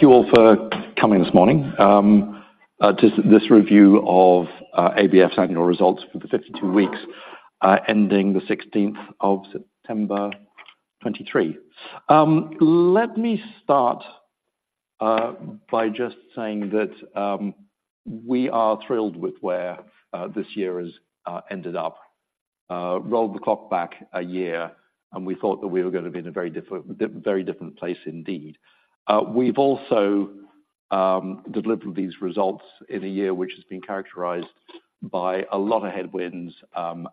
Thank you all for coming this morning, to this review of ABF's annual results for the 52 weeks ending 16 September 2023. Let me start by just saying that, we are thrilled with where this year has ended up. Roll the clock back a year, and we thought that we were gonna be in a very different, very different place indeed. We've also delivered these results in a year which has been characterized by a lot of headwinds,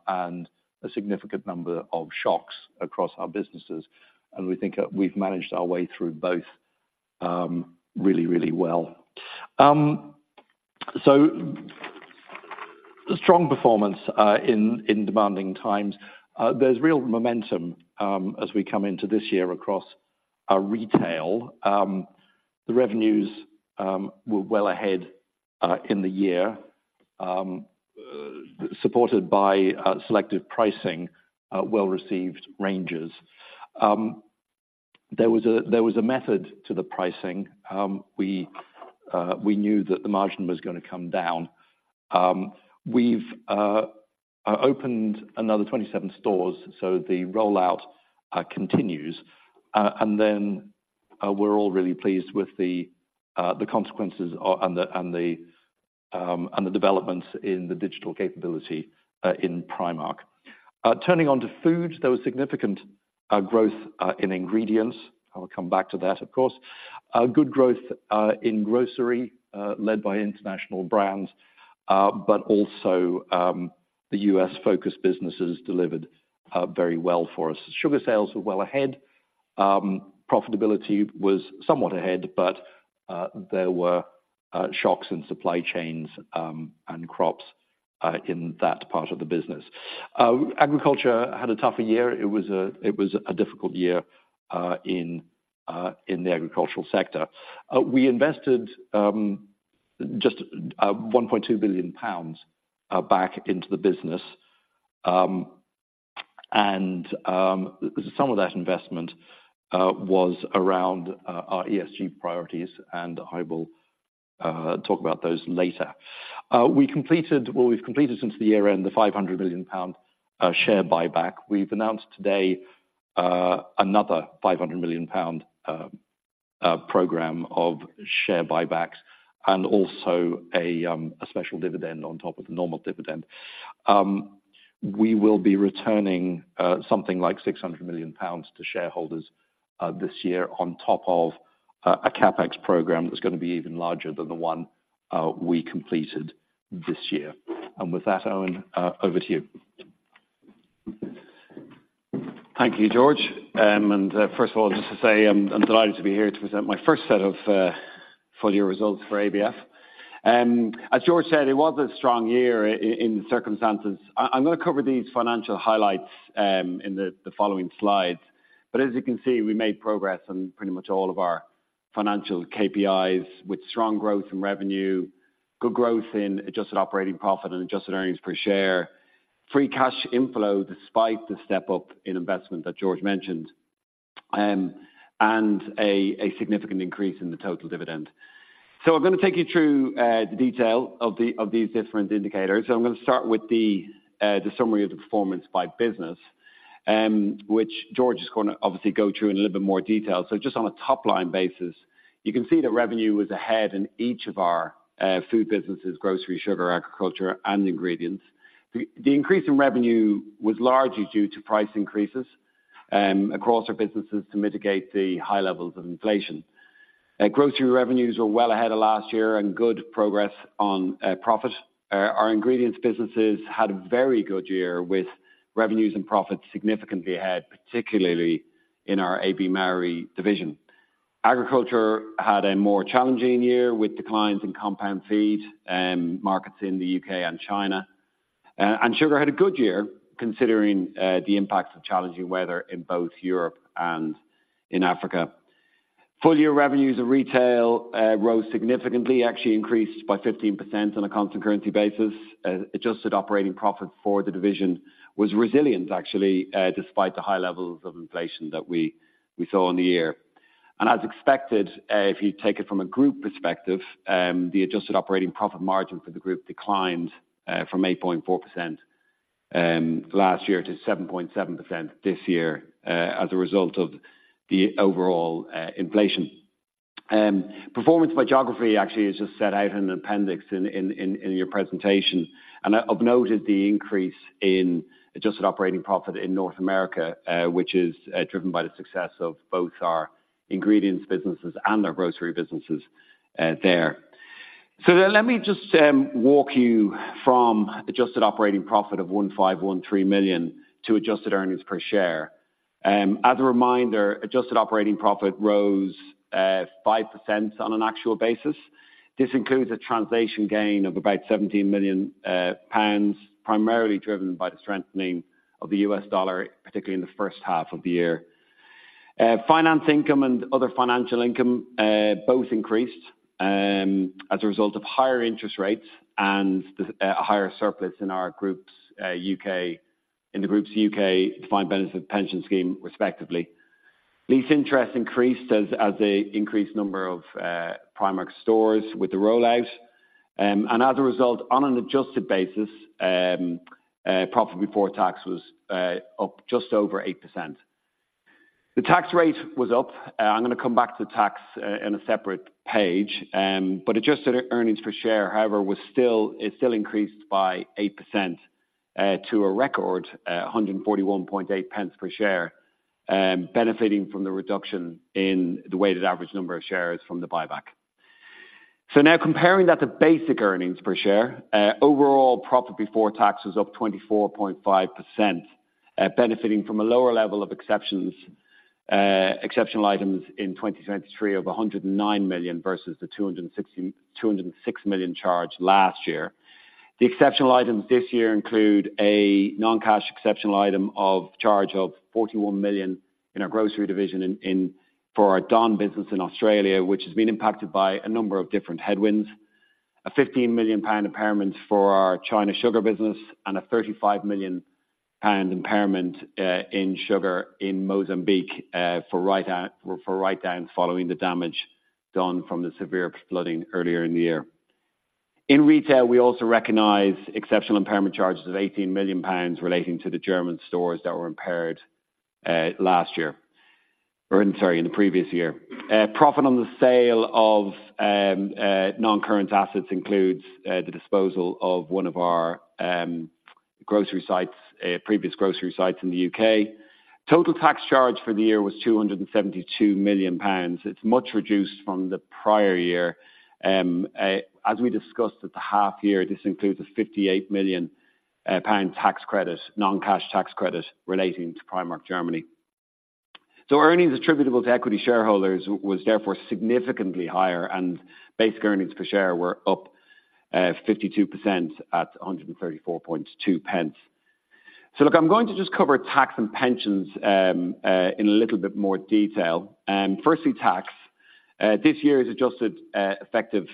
and a significant number of shocks across our businesses, and we think that we've managed our way through both, really, really well. So the strong performance in demanding times, there's real momentum, as we come into this year across our retail. The revenues were well ahead in the year, supported by selective pricing, well-received ranges. There was a method to the pricing. We knew that the margin was gonna come down. We've opened another 27 stores, so the rollout continues. And then, we're all really pleased with the consequences and the developments in the digital capability in Primark. Turning on to food, there was significant growth in Ingredients. I will come back to that, of course. A good growth in Grocery, led by international brands, but also, the U.S.-focused businesses delivered very well for us. Sugar sales were well ahead. Profitability was somewhat ahead, but there were shocks in supply chains and crops in that part of the business. Agriculture had a tougher year. It was a difficult year in the agricultural sector. We invested just 1.2 billion pounds back into the business. And some of that investment was around our ESG priorities, and I will talk about those later. We completed. Well, we've completed since the year end, the 500 million pound share buyback. We've announced today another 500 million pound program of share buybacks and also a special dividend on top of the normal dividend. We will be returning something like 600 million pounds to shareholders this year on top of a CapEx program that's gonna be even larger than the one we completed this year. With that, Eoin, over to you. Thank you, George. And first of all, just to say I'm delighted to be here to present my first set of full year results for ABF. As George said, it was a strong year in the circumstances. I'm gonna cover these financial highlights in the following slides. But as you can see, we made progress on pretty much all of our financial KPIs, with strong growth in revenue, good growth in adjusted operating profit and adjusted earnings per share. Free cash inflow, despite the step up in investment that George mentioned, and a significant increase in the total dividend. So I'm gonna take you through the detail of these different indicators. So I'm gonna start with the summary of the performance by business, which George is gonna obviously go through in a little bit more detail. So just on a top-line basis, you can see that revenue was ahead in each of our food businesses: Grocery, Sugar, Agriculture and Ingredients. The increase in revenue was largely due to price increases across our businesses to mitigate the high levels of inflation. Grocery revenues were well ahead of last year and good progress on profit. Our Ingredients businesses had a very good year with revenues and profits significantly ahead, particularly in our AB Mauri division. Agriculture had a more challenging year with declines in compound feed markets in the U.K. and China. And Sugar had a good year, considering the impacts of challenging weather in both Europe and in Africa. Full year revenues of retail rose significantly, actually increased by 15% on a constant currency basis. Adjusted Operating Profit for the division was resilient, actually, despite the high levels of inflation that we saw in the year. As expected, if you take it from a group perspective, the Adjusted Operating Profit margin for the group declined from 8.4% last year to 7.7% this year as a result of the overall inflation. Performance by geography actually is just set out in an appendix in your presentation, and I've noted the increase in Adjusted Operating Profit in North America, which is driven by the success of both our Ingredients businesses and our Grocery businesses there. So then let me just walk you from adjusted operating profit of 1,513 million to adjusted earnings per share. As a reminder, adjusted operating profit rose 5% on an actual basis. This includes a translation gain of about 17 million pounds, primarily driven by the strengthening of the U.S. dollar, particularly in the first half of the year. Finance income and other financial income both increased as a result of higher interest rates and a higher surplus in the group's U.K. defined benefit pension scheme respectively. Lease interest increased as the increased number of Primark stores with the rollout. And as a result, on an adjusted basis, profit before tax was up just over 8%. The tax rate was up. I'm gonna come back to tax in a separate page. But Adjusted Earnings Per Share, however, it still increased by 8% to a record 1.418 per share, benefiting from the reduction in the weighted average number of shares from the buyback. So now comparing that to basic earnings per share, overall profit before tax was up 24.5%, benefiting from a lower level of exceptional items in 2023 of 109 million, versus the 206 million charged last year. The exceptional items this year include a non-cash exceptional item of charge of 41 million in our grocery division in for our Don business in Australia, which has been impacted by a number of different headwinds. A 15 million pound impairment for our China sugar business and a 35 million pound impairment in sugar in Mozambique for write down, following the damage done from the severe flooding earlier in the year. In retail, we also recognize exceptional impairment charges of 18 million pounds relating to the German stores that were impaired last year, or I'm sorry, in the previous year. Profit on the sale of non-current assets includes the disposal of one of our previous grocery sites in the U.K.. Total tax charge for the year was 272 million pounds. It's much reduced from the prior year. As we discussed at the half year, this includes a 58 million pound tax credit, non-cash tax credit relating to Primark Germany. So earnings attributable to equity shareholders was therefore significantly higher, and basic earnings per share were up 52% at 1.342. So look, I'm going to just cover tax and pensions in a little bit more detail. Firstly, tax. This year's adjusted effective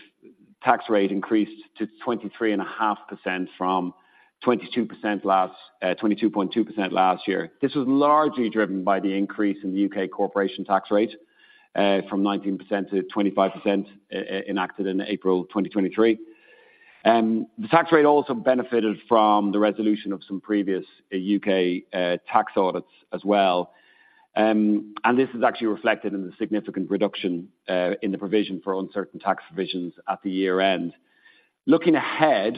tax rate increased to 23.5% from 22.2% last year. This was largely driven by the increase in the U.K. corporation tax rate from 19%-25%, enacted in April 2023. The tax rate also benefited from the resolution of some previous U.K. tax audits as well. This is actually reflected in the significant reduction in the provision for uncertain tax provisions at the year end. Looking ahead,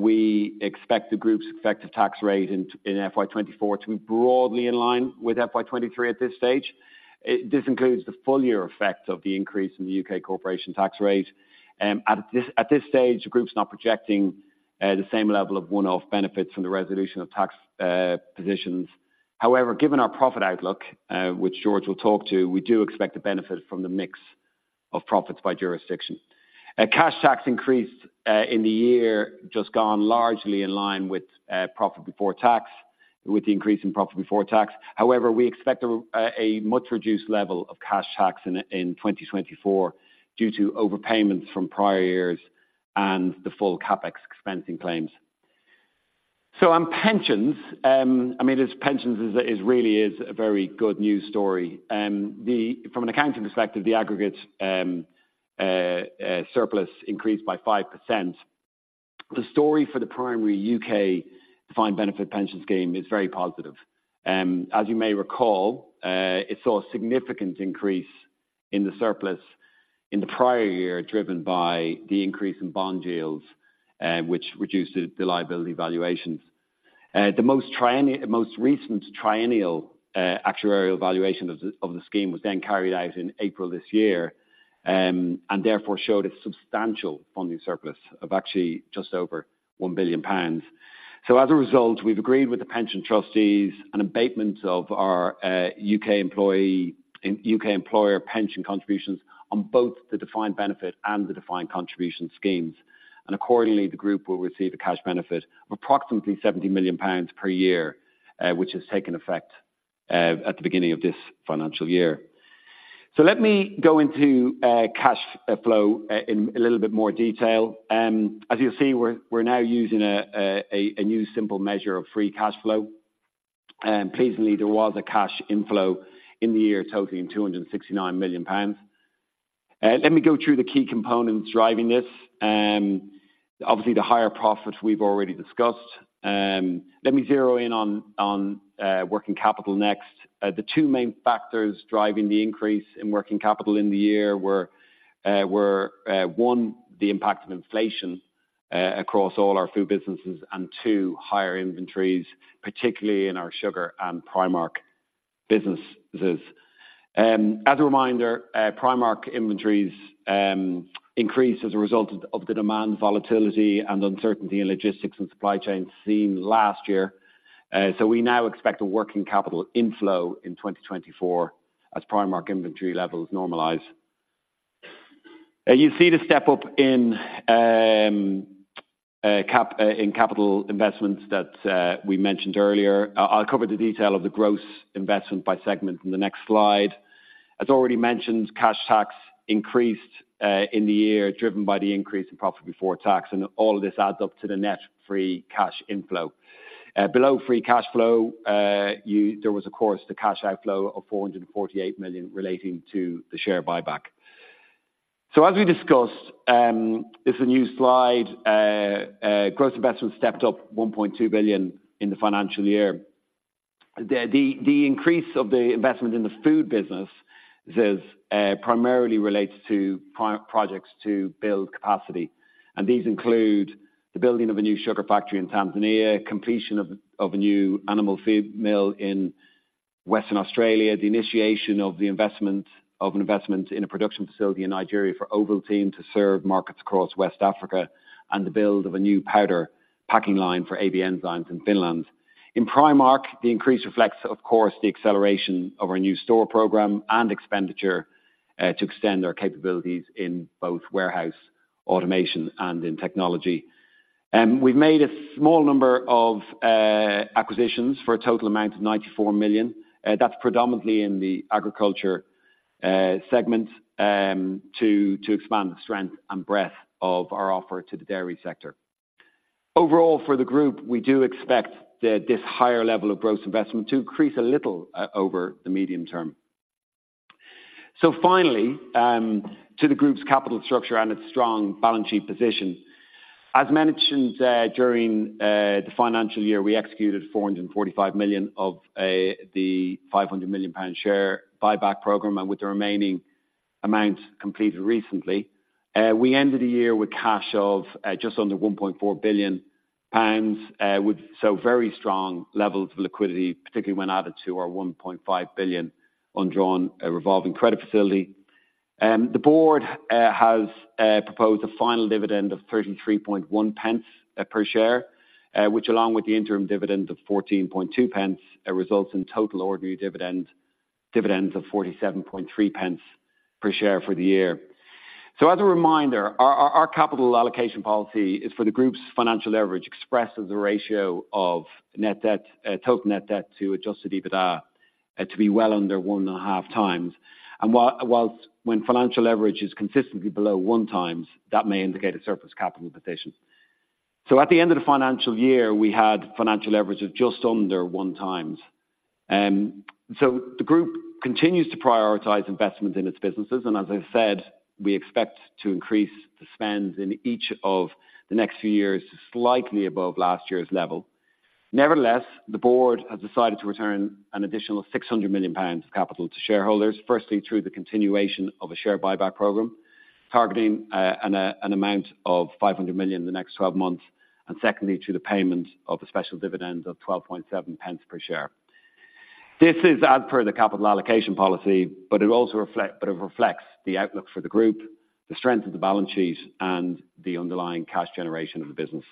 we expect the group's effective tax rate in FY 2024 to be broadly in line with FY 2023 at this stage. This includes the full year effect of the increase in the U.K. corporation tax rate. At this stage, the group's not projecting the same level of one-off benefits from the resolution of tax positions. However, given our profit outlook, which George will talk to, we do expect to benefit from the mix of profits by jurisdiction. Cash tax increased in the year just gone largely in line with profit before tax, with the increase in profit before tax. However, we expect a much reduced level of cash tax in 2024 due to overpayments from prior years and the full CapEx expensing claims. So on pensions, I mean, it's really a very good news story. From an accounting perspective, the aggregate surplus increased by 5%. The story for the primary U.K. defined benefit pension scheme is very positive. As you may recall, it saw a significant increase in the surplus in the prior year, driven by the increase in bond yields, which reduced the liability valuations. The most recent triennial actuarial valuation of the scheme was then carried out in April this year, and therefore showed a substantial funding surplus of actually just over 1 billion pounds. So as a result, we've agreed with the pension trustees an abatement of our U.K. employer pension contributions on both the defined benefit and the defined contribution schemes. Accordingly, the group will receive a cash benefit of approximately 70 million pounds per year, which has taken effect at the beginning of this financial year. So let me go into cash flow in a little bit more detail. As you'll see, we're now using a new simple measure of free cash flow. Pleasingly, there was a cash inflow in the year totaling 269 million pounds. Let me go through the key components driving this. Obviously, the higher profit we've already discussed. Let me zero in on working capital next. The two main factors driving the increase in working capital in the year were one, the impact of inflation across all our food businesses, and two, higher inventories, particularly in our Sugar and Primark businesses. As a reminder, Primark inventories increased as a result of the demand volatility and uncertainty in logistics and supply chain seen last year. So we now expect a working capital inflow in 2024 as Primark inventory levels normalize. You see the step up in capital investments that we mentioned earlier. I'll cover the detail of the gross investment by segment in the next slide. As already mentioned, cash tax increased in the year, driven by the increase in profit before tax, and all of this adds up to the net free cash inflow. Below free cash flow, there was, of course, the cash outflow of 448 million relating to the share buyback. So as we discussed, this is a new slide, gross investment stepped up 1.2 billion in the financial year. The increase of the investment in the food business is primarily related to projects to build capacity, and these include the building of a new sugar factory in Tanzania, completion of a new animal feed mill in Western Australia, the initiation of an investment in a production facility in Nigeria for Ovaltine to serve markets across West Africa, and the build of a new powder packing line for AB Enzymes in Finland. In Primark, the increase reflects, of course, the acceleration of our new store program and expenditure to extend our capabilities in both warehouse automation and in technology. We've made a small number of acquisitions for a total amount of 94 million. That's predominantly in the agriculture segment to expand the strength and breadth of our offer to the dairy sector. Overall, for the group, we do expect this higher level of gross investment to increase a little over the medium term. So finally, to the group's capital structure and its strong balance sheet position. As mentioned, during the financial year, we executed 445 million of the 500 million pound share buyback program, and with the remaining amount completed recently. We ended the year with cash of just under 1.4 billion pounds, with so very strong levels of liquidity, particularly when added to our 1.5 billion undrawn revolving credit facility. The board has proposed a final dividend of 0.331 per share, which along with the interim dividend of 0.142 results in total ordinary dividend, dividends of 0.473 per share for the year. So as a reminder, our capital allocation policy is for the group's financial leverage, expresses the ratio of net debt, total net debt to adjusted EBITDA, to be well under 1.5x. While when financial leverage is consistently below 1x, that may indicate a surplus capital position. So at the end of the financial year, we had financial leverage of just under 1x. So the group continues to prioritize investments in its businesses, and as I've said, we expect to increase the spend in each of the next few years, slightly above last year's level. Nevertheless, the board has decided to return an additional 600 million pounds of capital to shareholders, firstly through the continuation of a share buyback program, targeting an amount of 500 million in the next 12 months, and secondly, to the payment of a special dividend of 0.127 per share. This is as per the capital allocation policy, but it also reflects the outlook for the group, the strength of the balance sheet, and the underlying cash generation of the business.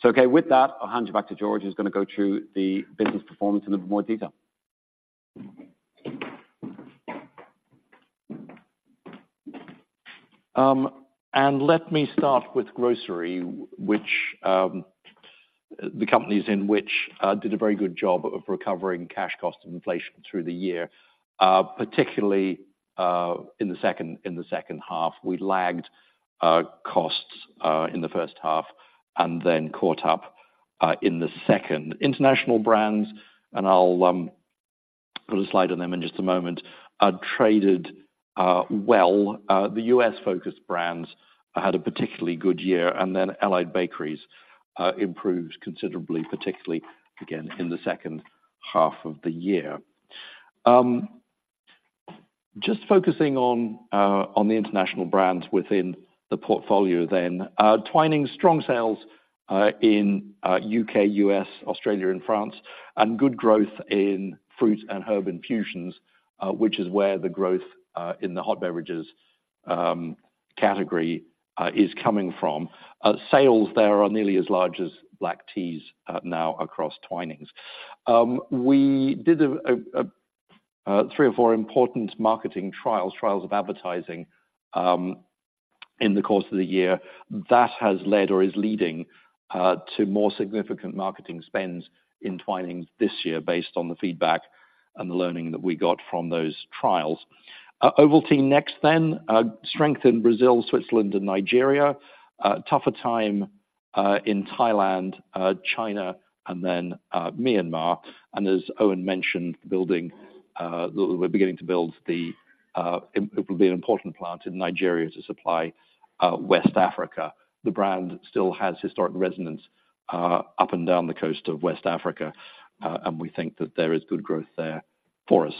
So okay, with that, I'll hand you back to George, who's gonna go through the business performance in a bit more detail. And let me start with grocery, which, the companies in which, did a very good job of recovering cash costs and inflation through the year, particularly in the second half. We lagged costs, in the first half and then caught up, in the second. International brands, and I'll put a slide on them in just a moment, traded well. The U.S.-focused brands had a particularly good year, and then Allied Bakeries improved considerably, particularly, again, in the second half of the year. Just focusing on the international brands within the portfolio then. Twinings, strong sales, in U.K., U.S., Australia, and France, and good growth in fruit and herb infusions, which is where the growth, in the hot beverages category, is coming from. Sales there are nearly as large as black teas now across Twinings. We did three or four important marketing trials of advertising in the course of the year. That has led or is leading to more significant marketing spends in Twinings this year, based on the feedback and the learning that we got from those trials. Ovaltine next then, strength in Brazil, Switzerland, and Nigeria. Tougher time in Thailand, China, and then Myanmar. And as Eoin mentioned, building, we're beginning to build the, it will be an important plant in Nigeria to supply West Africa. The brand still has historic resonance up and down the coast of West Africa, and we think that there is good growth there for us.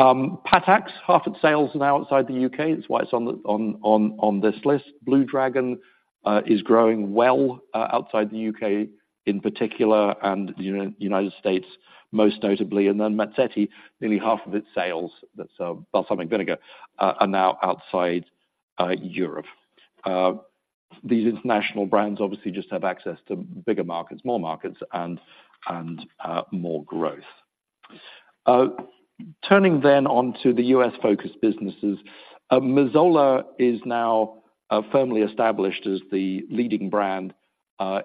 Patak's, half its sales are now outside the U.K.. That's why it's on this list. Blue Dragon is growing well outside the U.K., in particular, and United States, most notably. And then Mazzetti, nearly half of its sales, that's balsamic vinegar, are now outside Europe. These international brands obviously just have access to bigger markets, more markets, and more growth. Turning then onto the U.S.-focused businesses. Mazola is now firmly established as the leading brand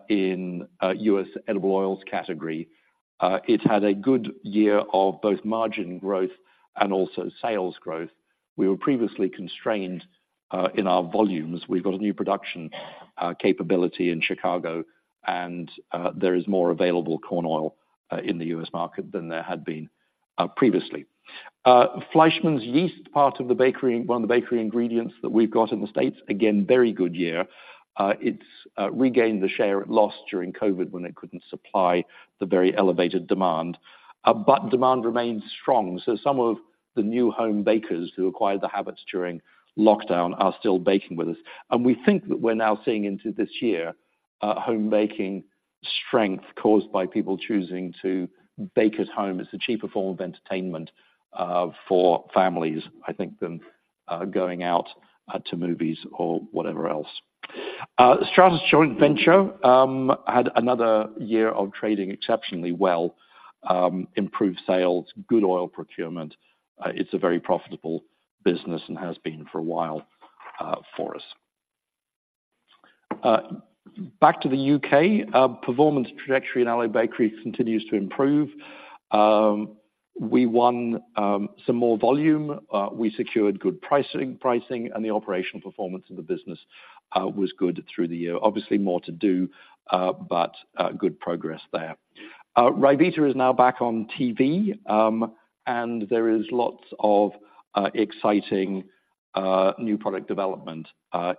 in the U.S. edible oils category. It had a good year of both margin growth and also sales growth. We were previously constrained in our volumes. We've got a new production capability in Chicago, and there is more available corn oil in the U.S. market than there had been previously. Fleischmann's Yeast, part of the bakery, one of the bakery ingredients that we've got in the States, again, very good year. It's regained the share it lost during COVID when it couldn't supply the very elevated demand. But demand remains strong, so some of the new home bakers who acquired the habits during lockdown are still baking with us. And we think that we're now seeing into this year, home baking strength caused by people choosing to bake at home as a cheaper form of entertainment, for families, I think, than going out to movies or whatever else. Stratas Joint Venture had another year of trading exceptionally well, improved sales, good oil procurement. It's a very profitable business and has been for a while, for us. Back to the U.K., performance trajectory in Allied Bakeries continues to improve. We won some more volume, we secured good pricing, pricing, and the operational performance of the business was good through the year. Obviously, more to do, but good progress there. Ryvita is now back on TV, and there is lots of exciting new product development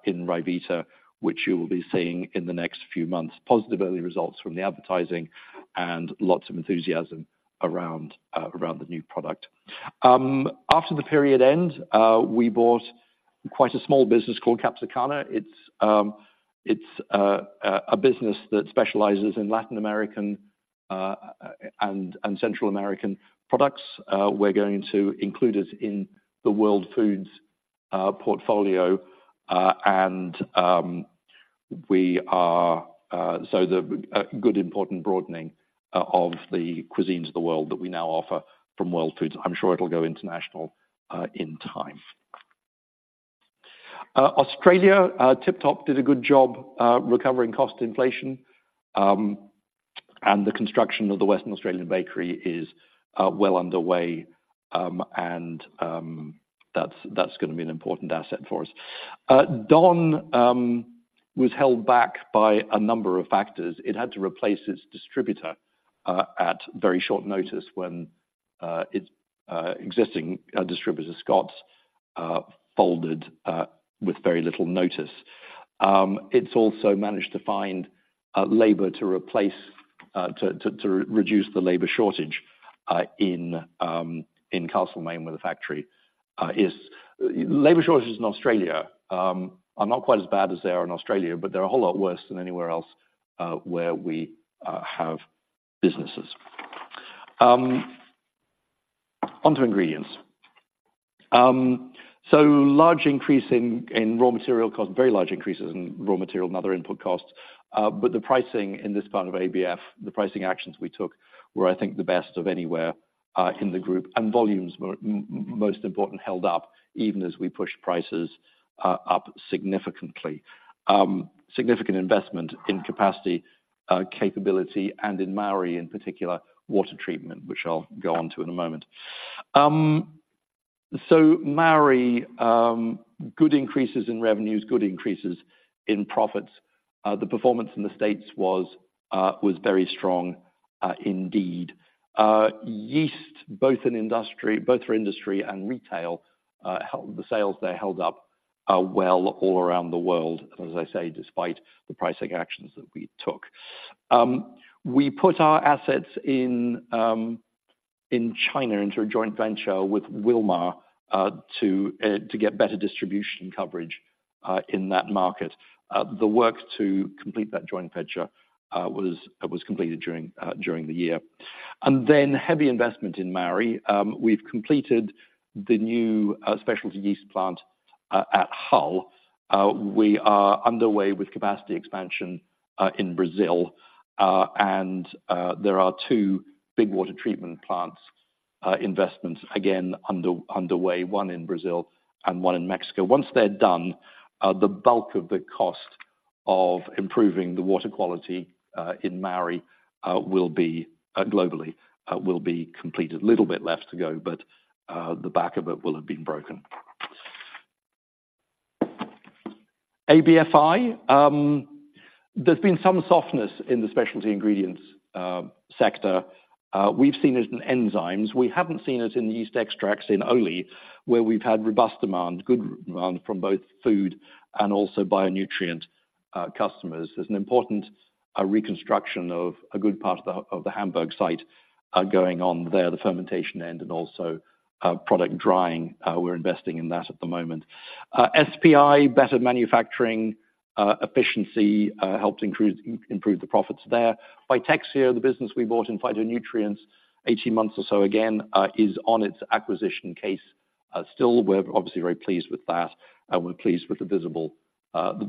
in Ryvita, which you will be seeing in the next few months. Positive early results from the advertising and lots of enthusiasm around the new product. After the period end, we bought quite a small business called Capsicana. It's a business that specializes in Latin American and Central American products. We're going to include it in the World Foods portfolio, and so the good, important broadening of the cuisines of the world that we now offer from World Foods. I'm sure it'll go international in time. Australia, Tip Top did a good job recovering cost inflation, and the construction of the Western Australian Bakery is well underway, and that's gonna be an important asset for us. Don was held back by a number of factors. It had to replace its distributor at very short notice when its existing distributor, Scott's, folded with very little notice. It's also managed to find labor to reduce the labor shortage in Castlemaine, where the factory is. Labor shortages in Australia are not quite as bad as they are in Australia, but they're a whole lot worse than anywhere else where we have businesses. Onto ingredients. So large increase in raw material costs, very large increases in raw material and other input costs, but the pricing in this part of ABF, the pricing actions we took, were, I think, the best of anywhere in the group, and volumes were most important, held up, even as we pushed prices up significantly. Significant investment in capacity, capability, and in Mauri, in particular, water treatment, which I'll go on to in a moment. So Mauri, good increases in revenues, good increases in profits. The performance in the States was very strong indeed. Yeast, both for industry and retail, the sales there held up well all around the world, as I say, despite the pricing actions that we took. We put our assets in China into a joint venture with Wilmar to get better distribution coverage in that market. The work to complete that joint venture was completed during the year. And then heavy investment in Mauri. We've completed the new specialty yeast plant at Hull. We are underway with capacity expansion in Brazil, and there are two big water treatment plants investments, again, underway, one in Brazil and one in Mexico. Once they're done, the bulk of the cost of improving the water quality in Mauri will be globally will be completed. A little bit left to go, but the back of it will have been broken. ABFI, there's been some softness in the specialty ingredients sector. We've seen it in enzymes. We haven't seen it in the yeast extracts in Ohly, where we've had robust demand, good demand from both food and also bio-nutrient customers. There's an important reconstruction of a good part of the of the Hamburg site going on there, the fermentation end and also product drying. We're investing in that at the moment. SPI, better manufacturing efficiency helped improve, improve the profits there. Fytexia, the business we bought in phytonutrients 18 months or so ago, is on its acquisition case. Still, we're obviously very pleased with that, and we're pleased with the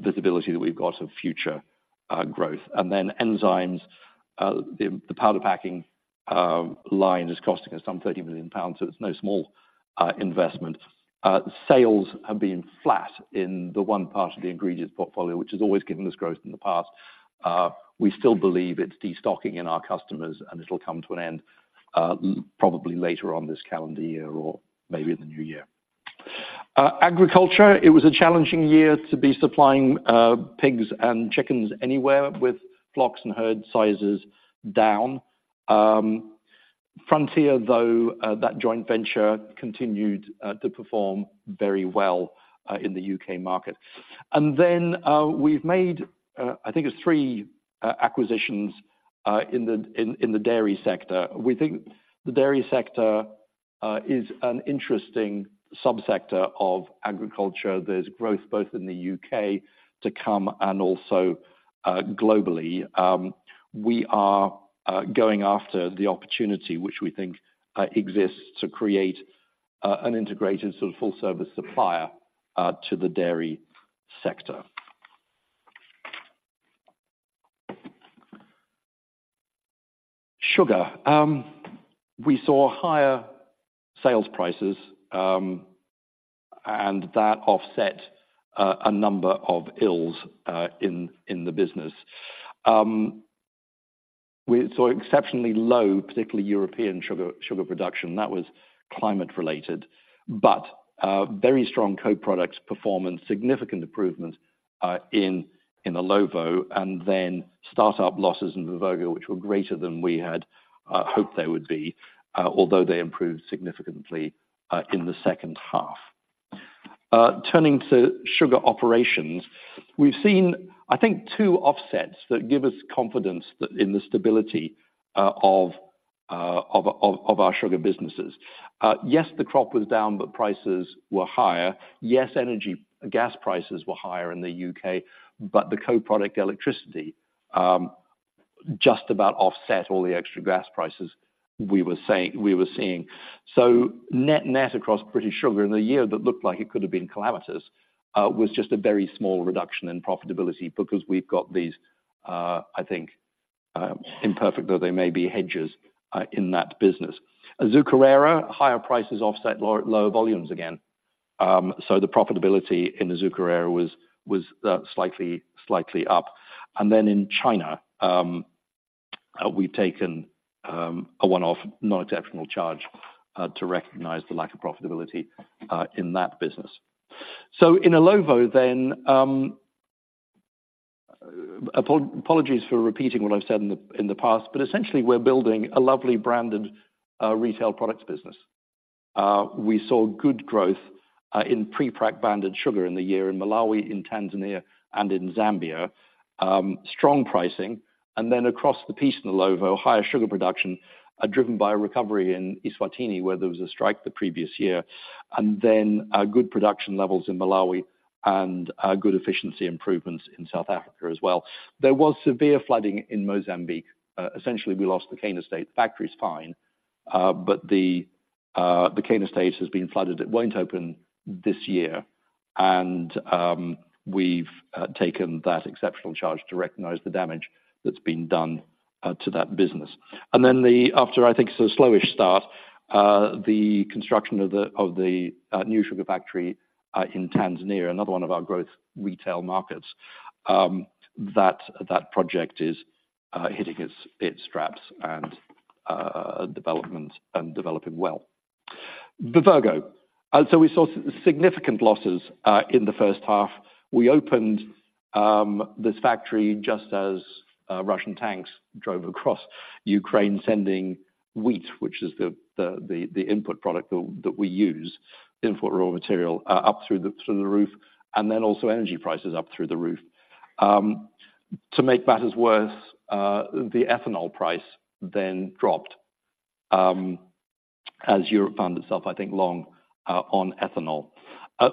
visibility that we've got of future growth. And then enzymes, the powder packing line is costing us some 30 million pounds, so it's no small investment. Sales have been flat in the one part of the ingredients portfolio, which has always given us growth in the past. We still believe it's destocking in our customers, and it'll come to an end, probably later on this calendar year or maybe in the new year. Agriculture, it was a challenging year to be supplying pigs and chickens anywhere with flocks and herd sizes down. Frontier, though, that joint venture continued to perform very well in the U.K. market. And then, we've made, I think it's three, acquisitions in the dairy sector. We think the dairy sector is an interesting subsector of agriculture. There's growth both in the U.K. to come and also globally. We are going after the opportunity, which we think exists, to create an integrated sort of full-service supplier to the dairy sector. Sugar, we saw higher sales prices, and that offset a number of ills in the business. We saw exceptionally low, particularly European sugar production, that was climate-related, but very strong co-products performance, significant improvement in Illovo, and then start-up losses in Vivergo, which were greater than we had hoped they would be, although they improved significantly in the second half. Turning to sugar operations, we've seen, I think, two offsets that give us confidence in the stability of our sugar businesses. Yes, the crop was down, but prices were higher. Yes, energy gas prices were higher in the U.K., but the co-product electricity just about offset all the extra gas prices we were seeing. So net net across British Sugar, in a year that looked like it could have been calamitous, was just a very small reduction in profitability because we've got these, I think, imperfect, though they may be hedges, in that business. Azucarera, higher prices offset lower volumes again. So the profitability in Azucarera was slightly up. And then in China, we've taken a one-off, non-exceptional charge to recognize the lack of profitability in that business. So in Illovo then, apologies for repeating what I've said in the past, but essentially, we're building a lovely branded retail products business. We saw good growth in pre-packed branded sugar in the year in Malawi, in Tanzania, and in Zambia. Strong pricing, and then across the piece in Illovo, higher sugar production are driven by a recovery in Eswatini, where there was a strike the previous year, and then good production levels in Malawi and good efficiency improvements in South Africa as well. There was severe flooding in Mozambique. Essentially, we lost the cane estate. The factory's fine, but the cane estate has been flooded. It won't open this year, and we've taken that exceptional charge to recognize the damage that's been done to that business. And then after, I think, so a slowish start, the construction of the new sugar factory in Tanzania, another one of our growth retail markets, that project is hitting its straps and developing well. Vivergo, and so we saw significant losses in the first half. We opened this factory just as Russian tanks drove across Ukraine, sending wheat, which is the input product that we use, input raw material, up through the roof, and then also energy prices up through the roof. To make matters worse, the ethanol price then dropped as Europe found itself, I think, long on ethanol.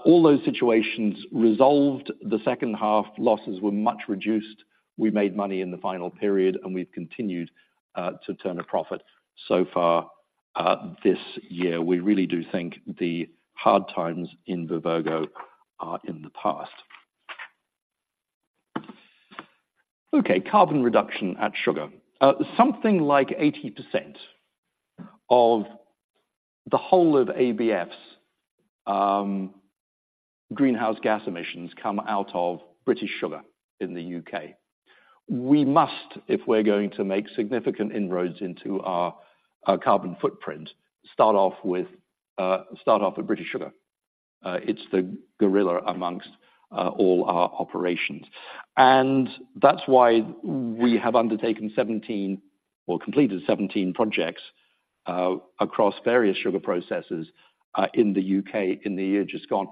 All those situations resolved. The second half, losses were much reduced. We made money in the final period, and we've continued to turn a profit so far this year. We really do think the hard times in Vivergo are in the past. Okay, carbon reduction at sugar. Something like 80% of the whole of ABF's greenhouse gas emissions come out of British Sugar in the U.K.. We must, if we're going to make significant inroads into our carbon footprint, start off with start off with British Sugar. It's the gorilla amongst all our operations. And that's why we have undertaken 17 or completed 17 projects across various sugar processors in the U.K., in the year just gone.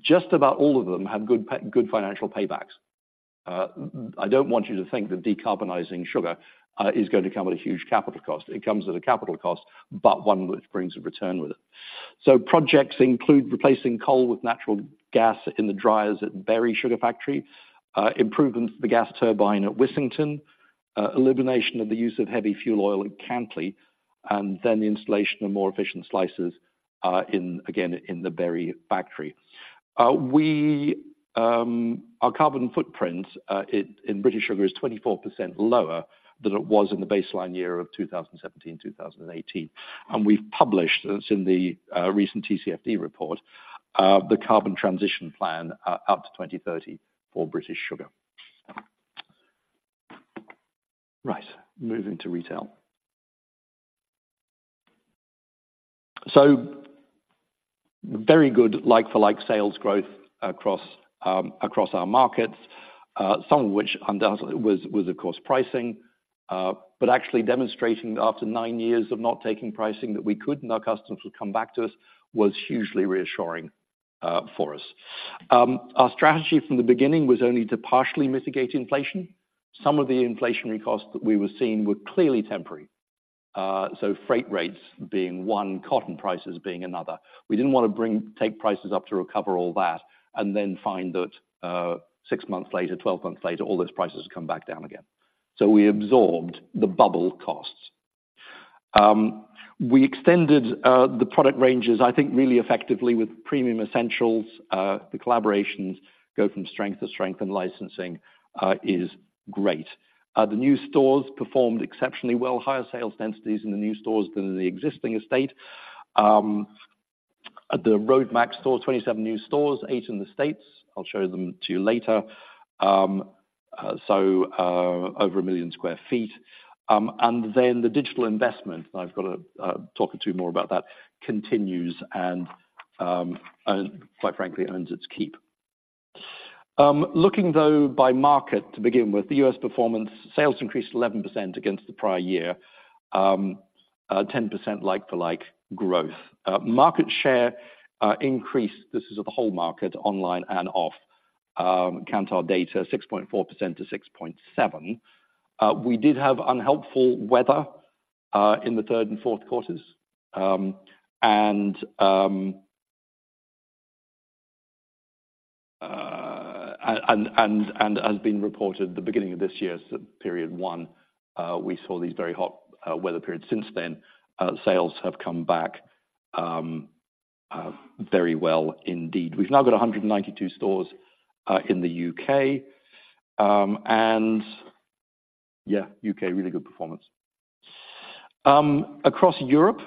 Just about all of them have good financial paybacks. I don't want you to think that decarbonizing sugar is going to come with a huge capital cost. It comes with a capital cost, but one which brings a return with it. Projects include replacing coal with natural gas in the dryers at Bury Sugar Factory, improvements to the gas turbine at Wissington, elimination of the use of heavy fuel oil at Cantley, and then the installation of more efficient slicers in again, in the Bury factory. Our carbon footprint in British Sugar is 24% lower than it was in the baseline year of 2017, 2018. And we've published, it's in the recent TCFD report, the carbon transition plan out to 2030 for British Sugar. Right, moving to retail. So very good like-for-like sales growth across our markets, some of which undoubtedly was, of course, pricing. But actually demonstrating that after nine years of not taking pricing, that we could, and our customers would come back to us, was hugely reassuring for us. Our strategy from the beginning was only to partially mitigate inflation. Some of the inflationary costs that we were seeing were clearly temporary. So freight rates being one, cotton prices being another. We didn't want to take prices up to recover all that and then find that, six months later, 12 months later, all those prices have come back down again. So we absorbed the bubble costs. We extended the product ranges, I think, really effectively with premium essentials. The collaborations go from strength to strength, and licensing is great. The new stores performed exceptionally well, higher sales densities in the new stores than in the existing estate. On the roadmap stores, 27 new stores, eight in the States. I'll show them to you later. So, over 1 million sq ft. And then the digital investment, I've got to talk a bit more about that, continues and quite frankly, earns its keep. Looking through by market to begin with, the U.S. performance, sales increased 11% against the prior year, 10% like-for-like growth. Market share increased. This is of the whole market, online and off. Kantar data 6.4% to 6.7%. We did have unhelpful weather in the third and fourth quarters. And, as has been reported, the beginning of this year, so period one, we saw these very hot weather periods. Since then, sales have come back very well indeed. We've now got 192 stores in the U.K.. Yeah, U.K., really good performance. Across Europe,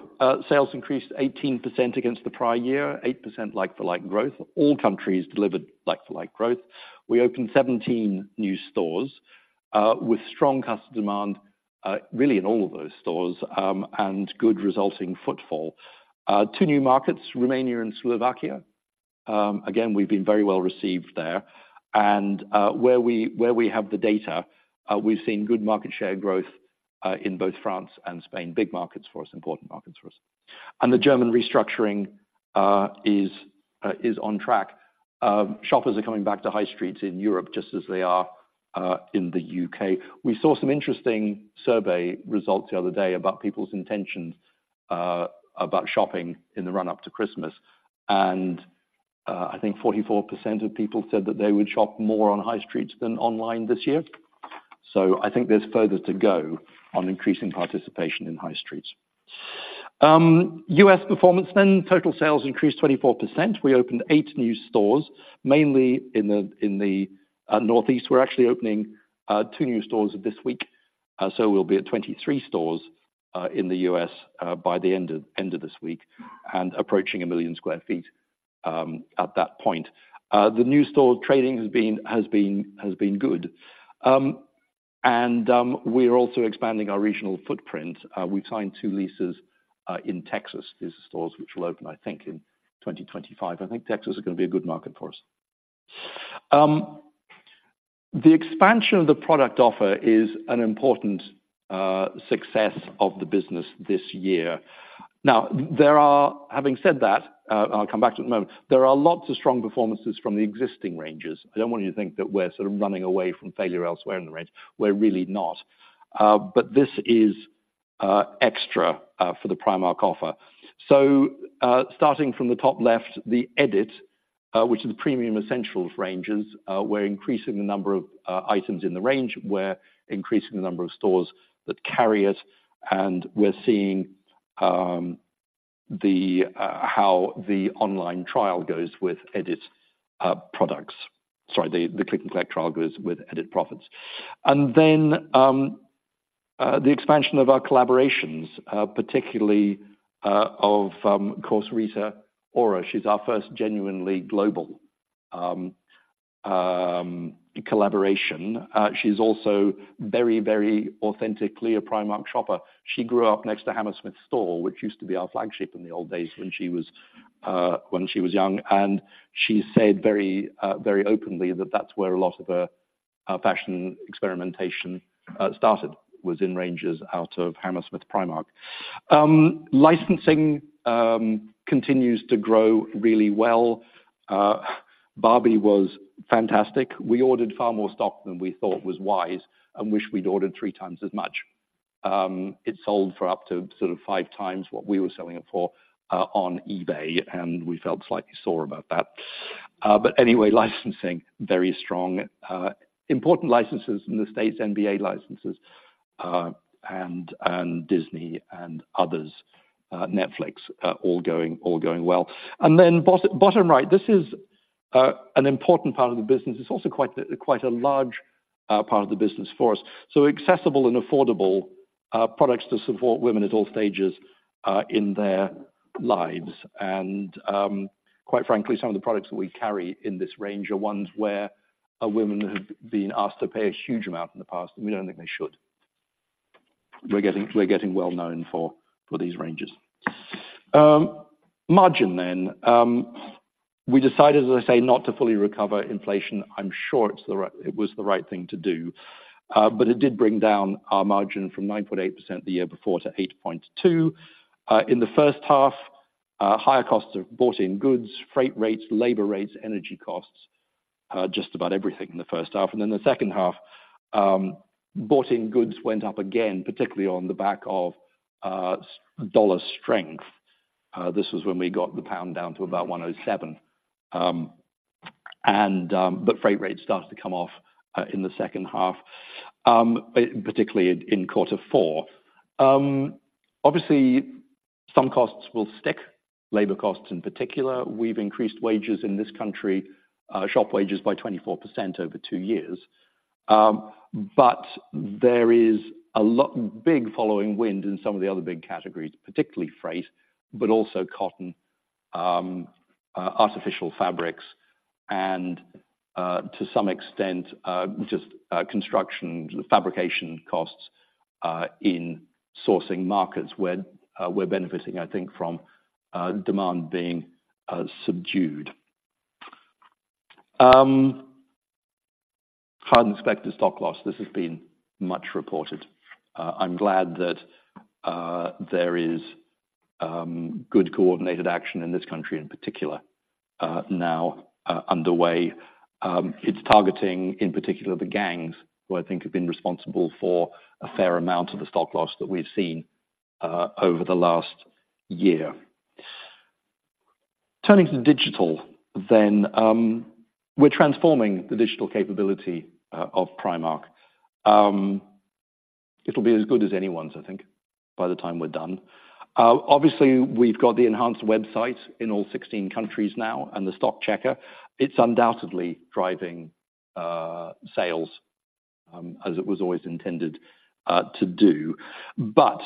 sales increased 18% against the prior year, 8% like-for-like growth. All countries delivered like-for-like growth. We opened 17 new stores with strong customer demand, really in all of those stores, and good resulting footfall. Two new markets, Romania and Slovakia. Again, we've been very well received there. Where we have the data, we've seen good market share growth in both France and Spain. Big markets for us, important markets for us. The German restructuring is on track. Shoppers are coming back to high streets in Europe just as they are in the U.K.. We saw some interesting survey results the other day about people's intentions about shopping in the run-up to Christmas, and I think 44% of people said that they would shop more on high streets than online this year. So I think there's further to go on increasing participation in high streets. U.S. performance, then total sales increased 24%. We opened eight new stores, mainly in the, in the Northeast. We're actually opening two new stores this week, so we'll be at 23 stores in the U.S. by the end of this week, and approaching 1 million sq ft at that point. The new store trading has been good. And we are also expanding our regional footprint. We've signed two leases in Texas. These are stores which will open, I think, in 2025. I think Texas is going to be a good market for us. The expansion of the product offer is an important success of the business this year. Now, there are, having said that, I'll come back to it in a moment, there are lots of strong performances from the existing ranges. I don't want you to think that we're sort of running away from failure elsewhere in the range. We're really not. But this is extra for the Primark offer. So, starting from the top left, The Edit, which is the premium essentials ranges, we're increasing the number of items in the range. We're increasing the number of stores that carry it, and we're seeing how the online trial goes with Edit products. Sorry, the click-and-collect trial goes with Edit products. And then, the expansion of our collaborations, particularly, of course, Rita Ora. She's our first genuinely global collaboration. She's also very, very authentically a Primark shopper. She grew up next to Hammersmith Store, which used to be our flagship in the old days when she was, when she was young, and she said very, very openly that that's where a lot of her, her fashion experimentation, started, was in ranges out of Hammersmith Primark. Licensing continues to grow really well. Barbie was fantastic. We ordered far more stock than we thought was wise and wish we'd ordered 3x as much. It sold for up to sort of 5x what we were selling it for, on eBay, and we felt slightly sore about that. But anyway, licensing, very strong, important licenses in the States, NBA licenses, and Disney and others, Netflix, all going well. And then bottom right, this is an important part of the business. It's also quite a large part of the business for us. So accessible and affordable products to support women at all stages in their lives. And quite frankly, some of the products that we carry in this range are ones where women have been asked to pay a huge amount in the past, and we don't think they should. We're getting well known for these ranges. Margin then. We decided, as I say, not to fully recover inflation. I'm sure it was the right thing to do, but it did bring down our margin from 9.8% the year before to 8.2%. In the first half, higher costs of bought-in goods, freight rates, labor rates, energy costs, just about everything in the first half. Then the second half, bought-in goods went up again, particularly on the back of strong dollar strength. This was when we got the pound down to about $1.07. But freight rates starts to come off in the second half, particularly in quarter four. Obviously, some costs will stick, labor costs in particular. We've increased wages in this country, shop wages by 24% over two years. But there is a lot, big following wind in some of the other big categories, particularly freight, but also cotton, artificial fabrics, and, to some extent, just construction, fabrication costs, in sourcing markets where we're benefiting, I think, from demand being subdued. Hardship stock loss, this has been much reported. I'm glad that there is good coordinated action in this country, in particular, now, underway. It's targeting, in particular, the gangs, who I think have been responsible for a fair amount of the stock loss that we've seen, over the last year. Turning to digital then, we're transforming the digital capability of Primark. It'll be as good as anyone's, I think, by the time we're done. Obviously, we've got the enhanced website in all 16 countries now and the stock checker. It's undoubtedly driving sales, as it was always intended to do. But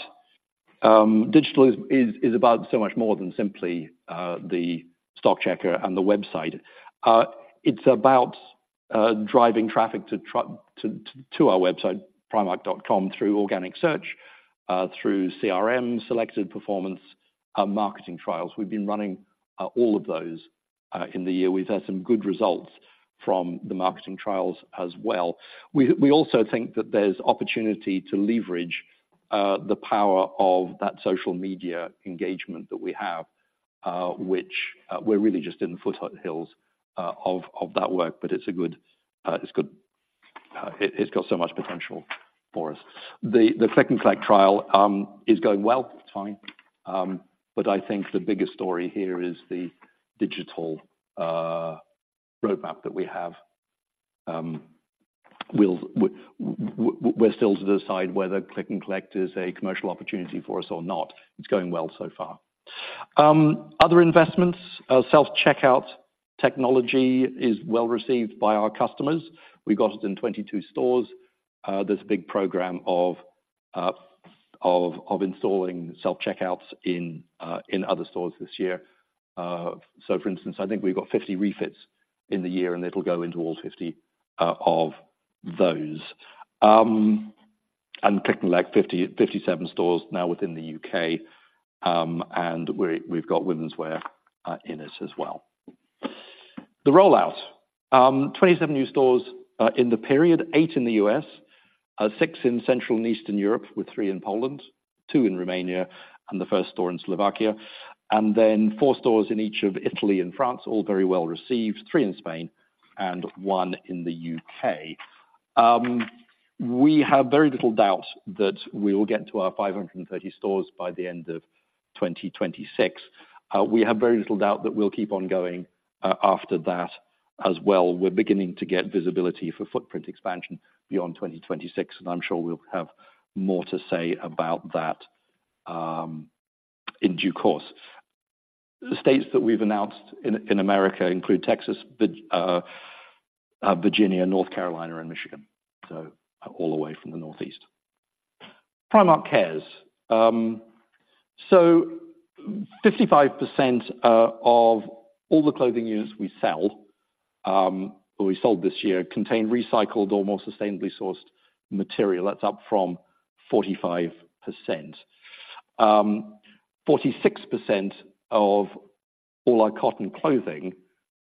digital is about so much more than simply the stock checker and the website. It's about driving traffic to our website, Primark.com, through organic search, through CRM, selected performance marketing trials. We've been running all of those in the year. We've had some good results from the marketing trials as well. We also think that there's opportunity to leverage the power of that social media engagement that we have, which we're really just in the foothills of that work, but it's a good, it's good. It's got so much potential for us. Click and Collect trial is going well. It's fine, but I think the biggest story here is the digital roadmap that we have. We're still to decide whether Click and Collect is a commercial opportunity for us or not. It's going well so far. Other investments, self-checkout technology is well received by our customers. We got it in 22 stores. There's a big program of installing self-checkouts in other stores this year. So for instance, I think we've got 50 refits in the year, and it'll go into all 50 of those. And Click and Collect, 57 stores now within the U.K., and we've got womenswear in it as well. The rollout, 27 new stores in the period, eight in the U.S., six in Central and Eastern Europe, with three in Poland, two in Romania, and the first store in Slovakia, and then four stores in each of Italy and France, all very well received, three in Spain, and one in the U.K. We have very little doubt that we will get to our 530 stores by the end of 2026. We have very little doubt that we'll keep on going after that as well. We're beginning to get visibility for footprint expansion beyond 2026, and I'm sure we'll have more to say about that in due course. The states that we've announced in America include Texas, Virginia, North Carolina, and Michigan, so all the way from the Northeast. Primark Cares. So 55% of all the clothing units we sell, or we sold this year, contain recycled or more sustainably sourced material. That's up from 45%. 46% of all our cotton clothing,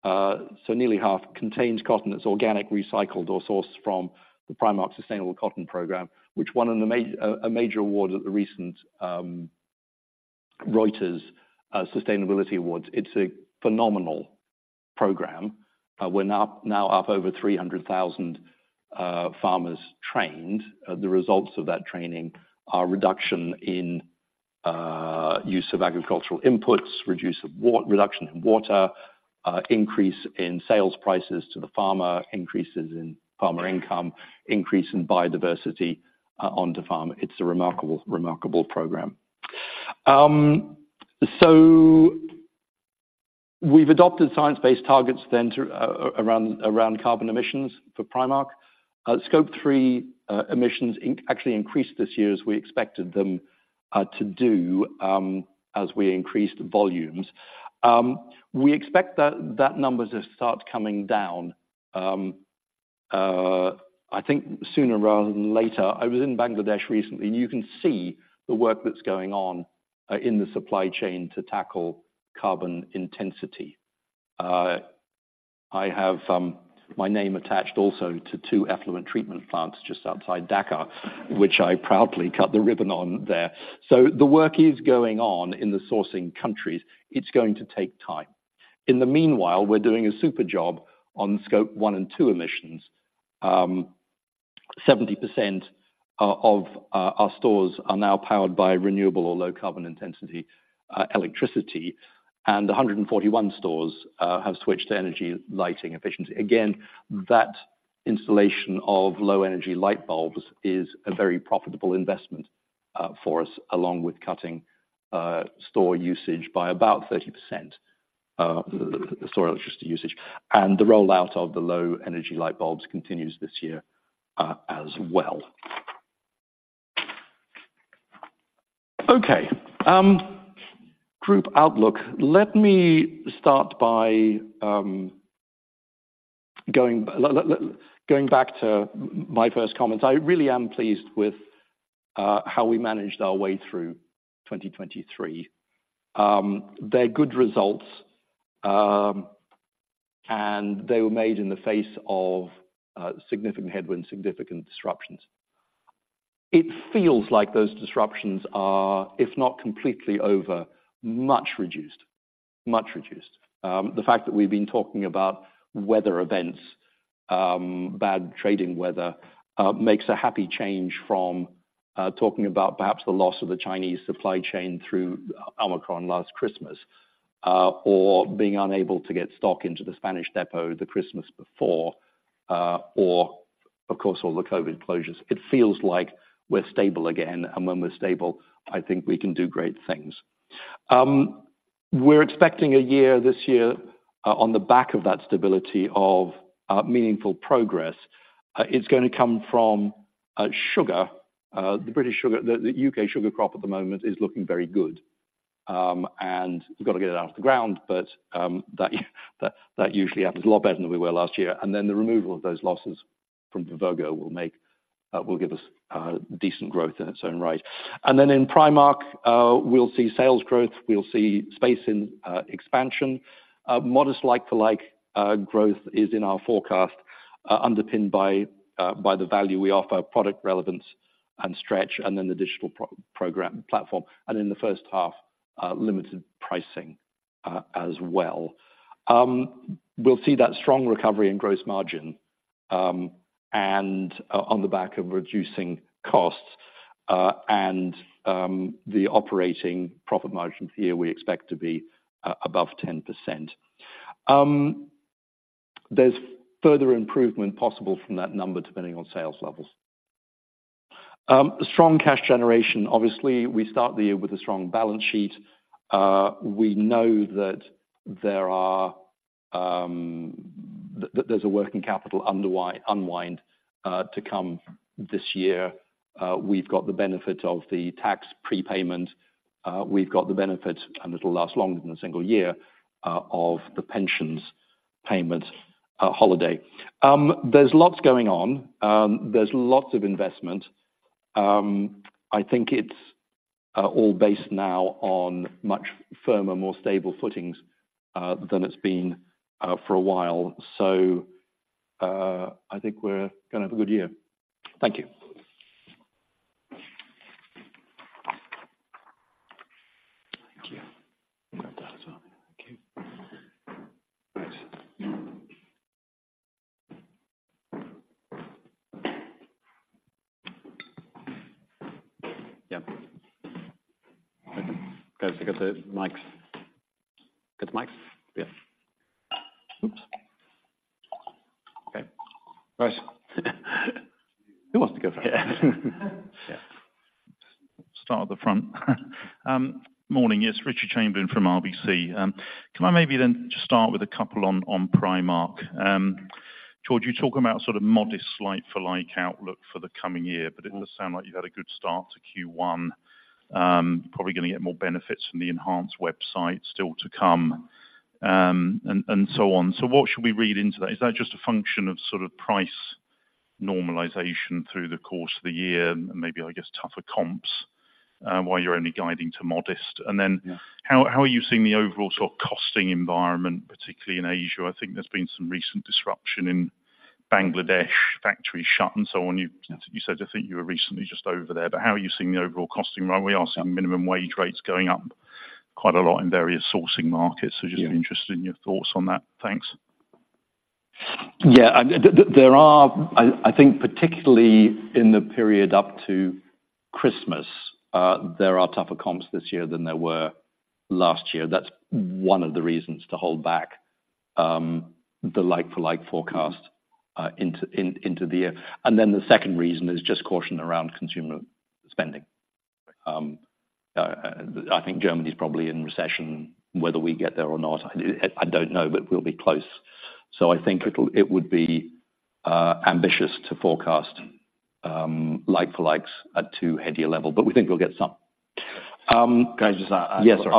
so nearly half, contains cotton that's organic, recycled, or sourced from the Primark Sustainable Cotton Program, which won a major award at the recent Reuters Sustainability Awards. It's a phenomenal program. We're now up over 300,000 farmers trained. The results of that training are reduction in use of agricultural inputs, reduction in water, increase in sales prices to the farmer, increases in farmer income, increase in biodiversity on the farm. It's a remarkable, remarkable program. So we've adopted science-based targets to around carbon emissions for Primark. Scope 3 emissions actually increased this year as we expected them to do, as we increased the volumes. We expect that number to start coming down, I think sooner rather than later. I was in Bangladesh recently, and you can see the work that's going on in the supply chain to tackle carbon intensity. I have my name attached also to two effluent treatment plants just outside Dhaka, which I proudly cut the ribbon on there. So the work is going on in the sourcing countries. It's going to take time. In the meanwhile, we're doing a super job on Scope 1 and 2 emissions. 70% of our stores are now powered by renewable or low carbon intensity electricity, and 141 stores have switched to energy lighting efficiency. Again, that installation of low-energy light bulbs is a very profitable investment for us, along with cutting store usage by about 30%, store electricity usage. The rollout of the low-energy light bulbs continues this year as well. Okay, group outlook. Let me start by going back to my first comments. I really am pleased with how we managed our way through 2023. They're good results, and they were made in the face of significant headwinds, significant disruptions. It feels like those disruptions are, if not completely over, much reduced. Much reduced. The fact that we've been talking about weather events, bad trading weather, makes a happy change from talking about perhaps the loss of the Chinese supply chain through Omicron last Christmas, or being unable to get stock into the Spanish depot the Christmas before, or of course, all the COVID closures. It feels like we're stable again, and when we're stable, I think we can do great things. We're expecting a year, this year, on the back of that stability of meaningful progress. It's gonna come from sugar, the British Sugar. The U.K. sugar crop at the moment is looking very good. And we've got to get it off the ground, but that usually happens a lot better than we were last year. And then the removal of those losses from Vivergo will make, will give us, decent growth in its own right. And then in Primark, we'll see sales growth, we'll see space in, expansion. Modest like-for-like, growth is in our forecast, underpinned by, by the value we offer, product relevance and stretch, and then the digital pro-program, platform, and in the first half, limited pricing, as well. We'll see that strong recovery in gross margin, and, on the back of reducing costs, and, the operating profit margin for the year, we expect to be above 10%. There's further improvement possible from that number, depending on sales levels. Strong cash generation. Obviously, we start the year with a strong balance sheet. We know that there's a working capital unwind to come this year. We've got the benefit of the tax prepayment. We've got the benefit, and it'll last longer than a single year, of the pensions payment holiday. There's lots going on. There's lots of investment. I think it's all based now on much firmer, more stable footings than it's been for a while. So, I think we're gonna have a good year. Thank you. Thank you. Great. Yeah. Okay, I got the mics. Get the mics? Yes. Oops. Okay, great. Who wants to go first? Morning, yes, Richard Chamberlain from RBC. Can I maybe then just start with a couple on Primark? George, you talk about sort of modest like-for-like outlook for the coming year, but it does sound like you've had a good start to Q1. Probably gonna get more benefits from the enhanced website still to come, and so on. So what should we read into that? Is that just a function of sort of price normalization through the course of the year, and maybe, I guess, tougher comps, why you're only guiding to modest? And then how are you seeing the overall sort of costing environment, particularly in Asia? I think there's been some recent disruption in Bangladesh, factories shut and so on. You, You said, I think you were recently just over there, but how are you seeing the overall costing run? We are seeing minimum wage rates going up quite a lot in various sourcing markets. Just interested in your thoughts on that. Thanks. Yeah, there are, I think particularly in the period up to Christmas, there are tougher comps this year than there were last year. That's one of the reasons to hold back the like-for-like forecast into the year. And then the second reason is just caution around consumer spending. I think Germany is probably in recession. Whether we get there or not, I don't know, but we'll be close. So I think it would be ambitious to forecast like-for-likes at too heady a level, but we think we'll get some. Can I just add? Yes, sir.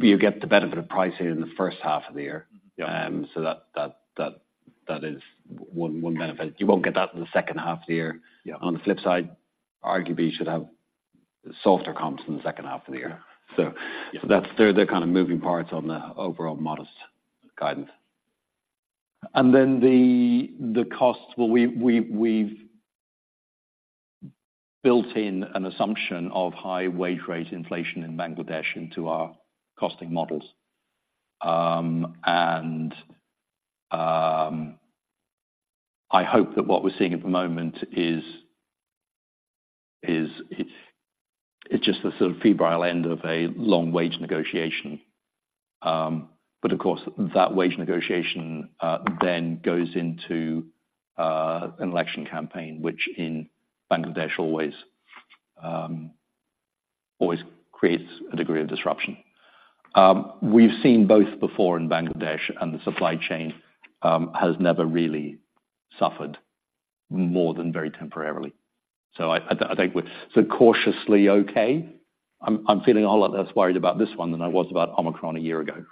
You get the benefit of pricing in the first half of the year. So that is one benefit. You won't get that in the second half of the year. On the flip side, arguably, you should have softer comps in the second half of the year. So that's, there are kind of moving parts on the overall modest guidance. And then the costs, well, we've built in an assumption of high wage rate inflation in Bangladesh into our costing models. I hope that what we're seeing at the moment is it's just the sort of febrile end of a long wage negotiation. But of course, that wage negotiation then goes into an election campaign, which in Bangladesh always creates a degree of disruption. We've seen both before in Bangladesh, and the supply chain has never really suffered more than very temporarily. So I think we're so cautiously okay. I'm feeling a whole lot less worried about this one than I was about Omicron a year ago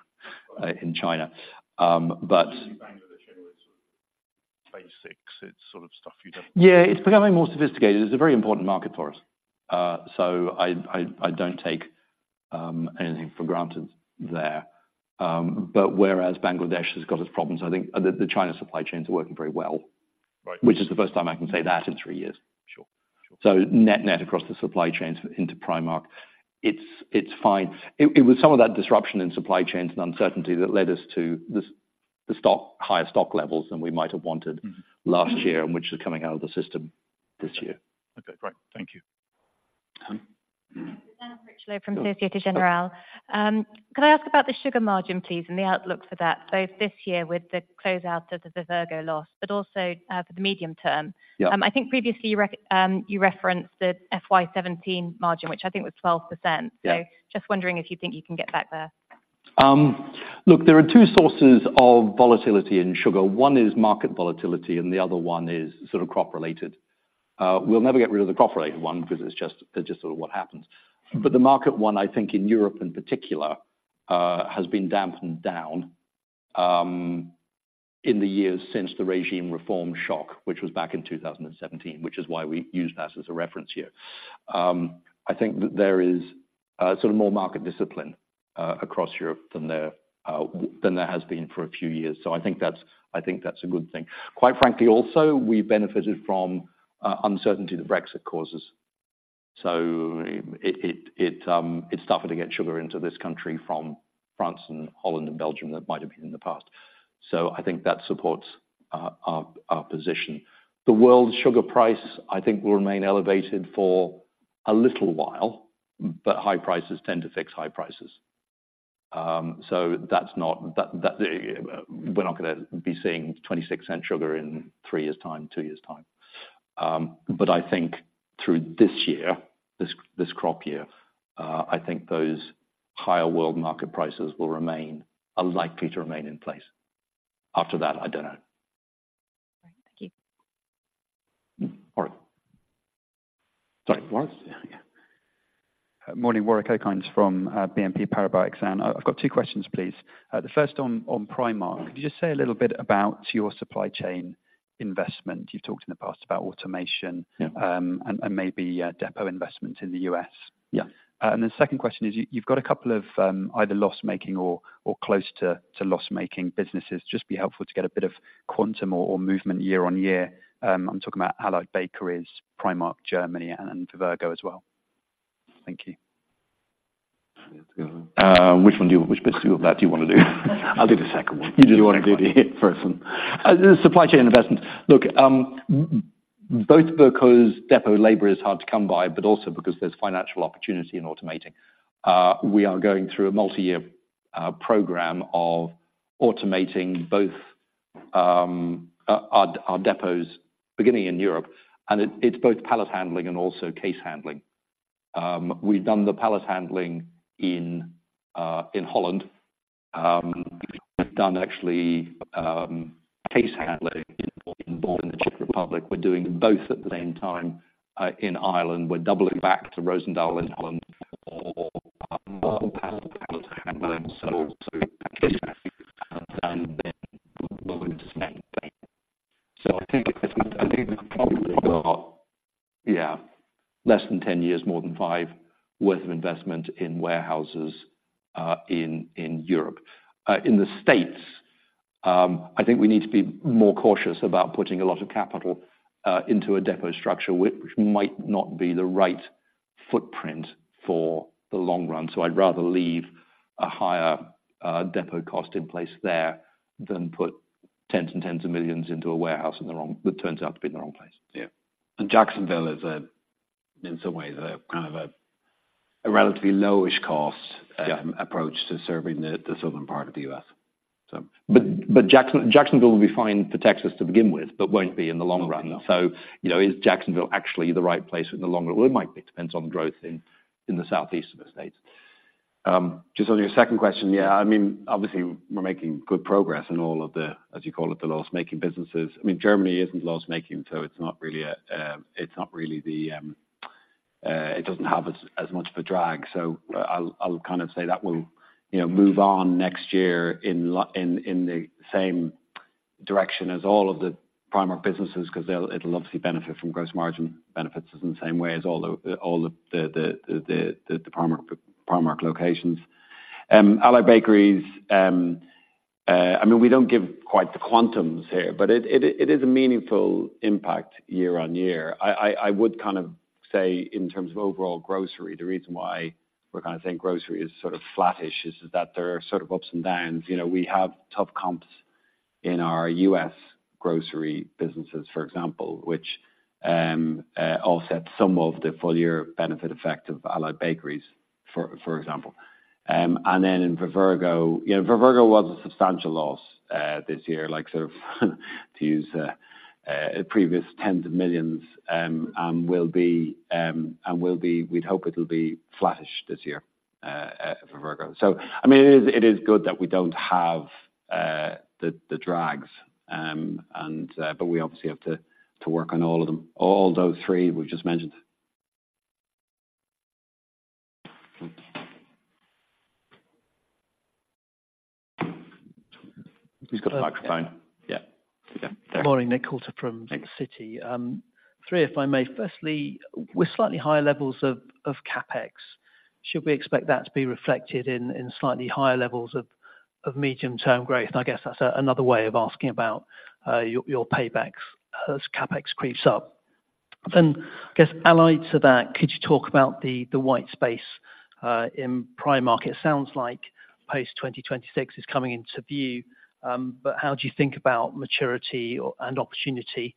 in China. But. Bangladesh anyway, basics, it's sort of stuff you don't. Yeah, it's becoming more sophisticated. It's a very important market for us. So I don't take anything for granted there. But whereas Bangladesh has got its problems, I think the China supply chains are working very well. Which is the first time I can say that in three years. So net-net across the supply chains into Primark, it's fine. It was some of that disruption in supply chains and uncertainty that led us to the stock higher stock levels than we might have wanted last year, and which is coming out of the system this year. Okay, great. Thank you. Anne Critchlow from Société Générale. Could I ask about the sugar margin, please, and the outlook for that, both this year with the close out of the Vivergo loss, but also, for the medium term? I think previously you referenced the FY 2017 margin, which I think was 12%. Just wondering if you think you can get back there? Look, there are two sources of volatility in sugar. One is market volatility, and the other one is sort of crop related. We'll never get rid of the crop related one because it's just sort of what happens. But the market one, I think, in Europe in particular, has been dampened down, in the years since the regime reform shock, which was back in 2017, which is why we used that as a reference year. I think that there is sort of more market discipline across Europe than there has been for a few years. So I think that's, I think that's a good thing. Quite frankly, also, we benefited from uncertainty that Brexit causes. So it's tougher to get sugar into this country from France and Holland and Belgium than it might have been in the past. So I think that supports our position. The world sugar price, I think, will remain elevated for a little while, but high prices tend to fix high prices. So that's not, that we're not gonna be seeing $0.26 sugar in three years time, two years time. But I think through this year, this crop year, I think those higher world market prices will remain, are likely to remain in place. After that, I don't know. All right. Thank you. All right. Sorry, Warwick? Morning, Warwick Okines from BNP Paribas, and I've got two questions, please. The first on Primark. Could you just say a little bit about your supply chain investment? You've talked in the past about automation and maybe depot investment in the U.S.. And the second question is, you've got a couple of either loss-making or close to loss-making businesses. Just be helpful to get a bit of quantum or movement year on year. I'm talking about Allied Bakeries, Primark Germany, and Vivergo as well. Thank you. Which bits of that do you want to do? I'll do the second one. You wanna do the first one. The supply chain investment. Look, both because depot labor is hard to come by, but also because there's financial opportunity in automating. We are going through a multi-year program of automating both our depots, beginning in Europe, and it's both pallet handling and also case handling. We've done the pallet handling in Holland. We've done actually case handling in the Czech Republic. We're doing both at the same time in Ireland. We're doubling back to Roosendaal in Holland for more pallet handling. So actually, and then we're going to spend, so I think we've probably got, yeah, less than 10 years, more than five worth of investment in warehouses in Europe. In the States, I think we need to be more cautious about putting a lot of capital into a depot structure, which might not be the right footprint for the long run. So I'd rather leave a higher depot cost in place there than put tens and tens of millions into a warehouse that turns out to be in the wrong place. Yeah. And Jacksonville is, in some ways, a relatively lowish cost approach to serving the southern part of the U.S., so. But Jacksonville will be fine for Texas to begin with, but won't be in the long run. So, you know, is Jacksonville actually the right place in the longer run? It might be. Depends on growth in the Southeast of the States. Just on your second question, yeah, I mean, obviously we're making good progress in all of the, as you call it, the loss-making businesses. I mean, Germany isn't loss-making, so it's not really a, it's not really the, it doesn't have as much of a drag. So I'll kind of say that will, you know, move on next year in the same direction as all of the Primark businesses, 'cause they'll, it'll obviously benefit from gross margin benefits in the same way as all the Primark locations. Allied Bakeries, I mean, we don't give quite the quantums here, but it is a meaningful impact year on year. I would kind of say, in terms of overall grocery, the reason why we're kind of saying grocery is sort of flattish is that there are sort of ups and downs. You know, we have tough comps in our U.S. grocery businesses, for example, which offset some of the full year benefit effect of Allied Bakeries, for example. And then in Vivergo, you know, Vivergo was a substantial loss this year, like sort of to use a previous tens of millions, and will be, we'd hope it'll be flattish this year, for Vivergo. So, I mean, it is good that we don't have the drags, and but we obviously have to work on all of them, all those three we've just mentioned. He's got the microphone. Morning, Nick Coulter from Citi. Three, if I may. Firstly, with slightly higher levels of CapEx, should we expect that to be reflected in slightly higher levels of medium-term growth? I guess that's another way of asking about your paybacks as CapEx creeps up. Then I guess allied to that, could you talk about the white space in Primark? It sounds like post-2026 is coming into view, but how do you think about maturity or and opportunity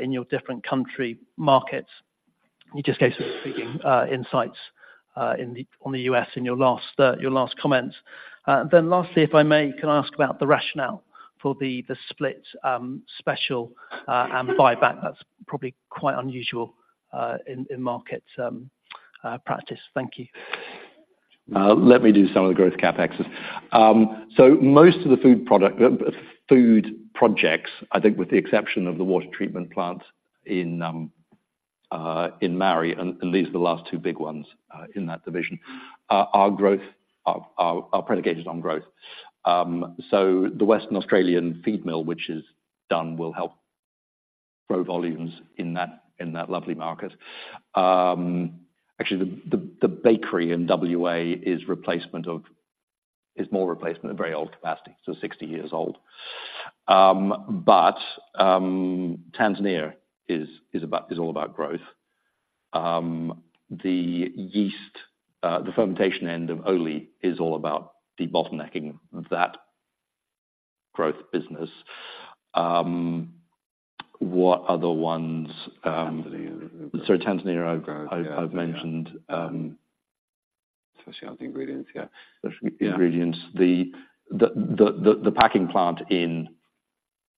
in your different country markets? You just gave some insights on the U.S. in your last comments. Then lastly, if I may, can I ask about the rationale for the split special and buyback? That's probably quite unusual in markets practice. Thank you. Let me do some of the growth CapExes. So most of the food product, food projects, I think with the exception of the water treatment plant in Mauri, and these are the last two big ones in that division, are growth, are predicated on growth. So the Western Australian feed mill, which is done, will help grow volumes in that, in that lovely market. Actually, the bakery in WA is replacement of is more replacement of very old capacity, so 60 years old. But Tanzania is, is about, is all about growth. The yeast, the fermentation end of Ohly is all about debottlenecking of that growth business. What other ones? Tanzania. So Tanzania, I've, I've, I've mentioned. Specialty ingredients, yeah. Ingredients. Yeah. The packing plant in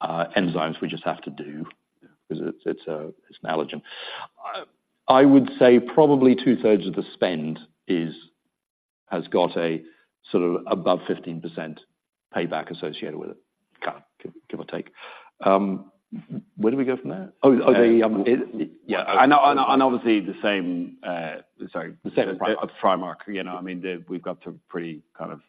enzymes we just have to do. Yeah, because it's an allergen. I would say probably 2/3 of the spend has got a sort of above 15% payback associated with it, kind of, give or take. Where do we go from there? Oh, the yeah. And obviously the same, sorry, the same as Primark. Primark, you know, I mean, we've got pretty kind of.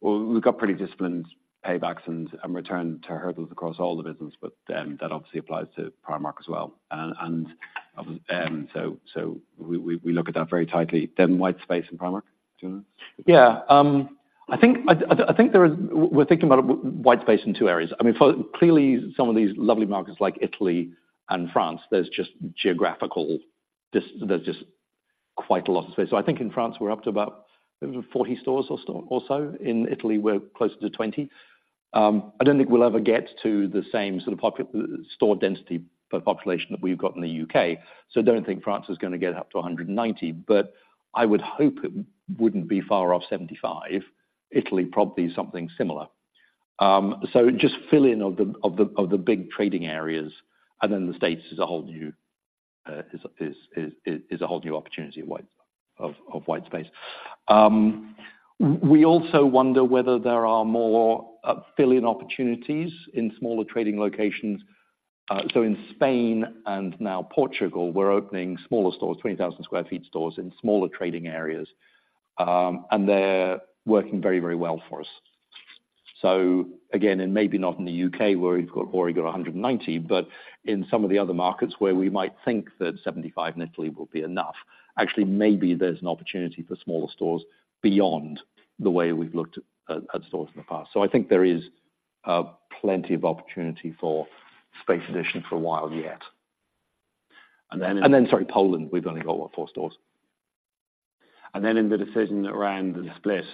Well, we've got pretty disciplined paybacks and return hurdles across all the business, but that obviously applies to Primark as well. And so we look at that very tightly. Then white space in Primark, do you know? Yeah. I think there is, we're thinking about white space in two areas. I mean, clearly, some of these lovely markets like Italy and France, there's just quite a lot of space. So I think in France, we're up to about 40 stores or so. Also, in Italy, we're closer to 20. I don't think we'll ever get to the same sort of store density per population that we've got in the U.K., so I don't think France is gonna get up to 190, but I would hope it wouldn't be far off 75. Italy, probably something similar. So just fill in the big trading areas, and then the States is a whole new opportunity of white space. We also wonder whether there are more fill-in opportunities in smaller trading locations. So in Spain and now Portugal, we're opening smaller stores, 20,000 sq ft stores, in smaller trading areas, and they're working very, very well for us. So again, and maybe not in the U.K., where we've got already got 190, but in some of the other markets where we might think that 75 in Italy will be enough, actually, maybe there's an opportunity for smaller stores beyond the way we've looked at stores in the past. So I think there is plenty of opportunity for space expansion for a while yet. And then, sorry, Poland, we've only got what? four stores. And then in the decision around the split,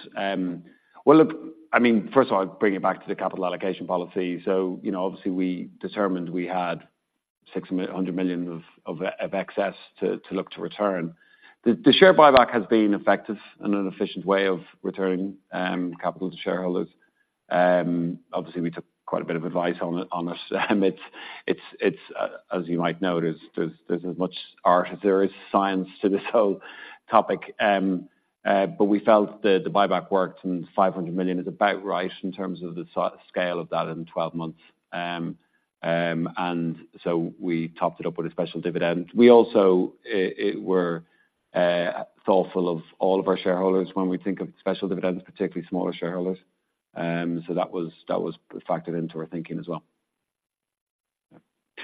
well, look, I mean, first of all, I'll bring it back to the capital allocation policy. So, you know, obviously, we determined we had 600 million of excess to look to return. The share buyback has been effective and an efficient way of returning capital to shareholders. Obviously, we took quite a bit of advice on it, on this. It's, as you might know, there's as much art as there is science to this whole topic. But we felt that the buyback worked, and 500 million is about right in terms of the scale of that in 12 months. And so we topped it up with a special dividend. We also were thoughtful of all of our shareholders when we think of special dividends, particularly smaller shareholders. So that was, that was factored into our thinking as well.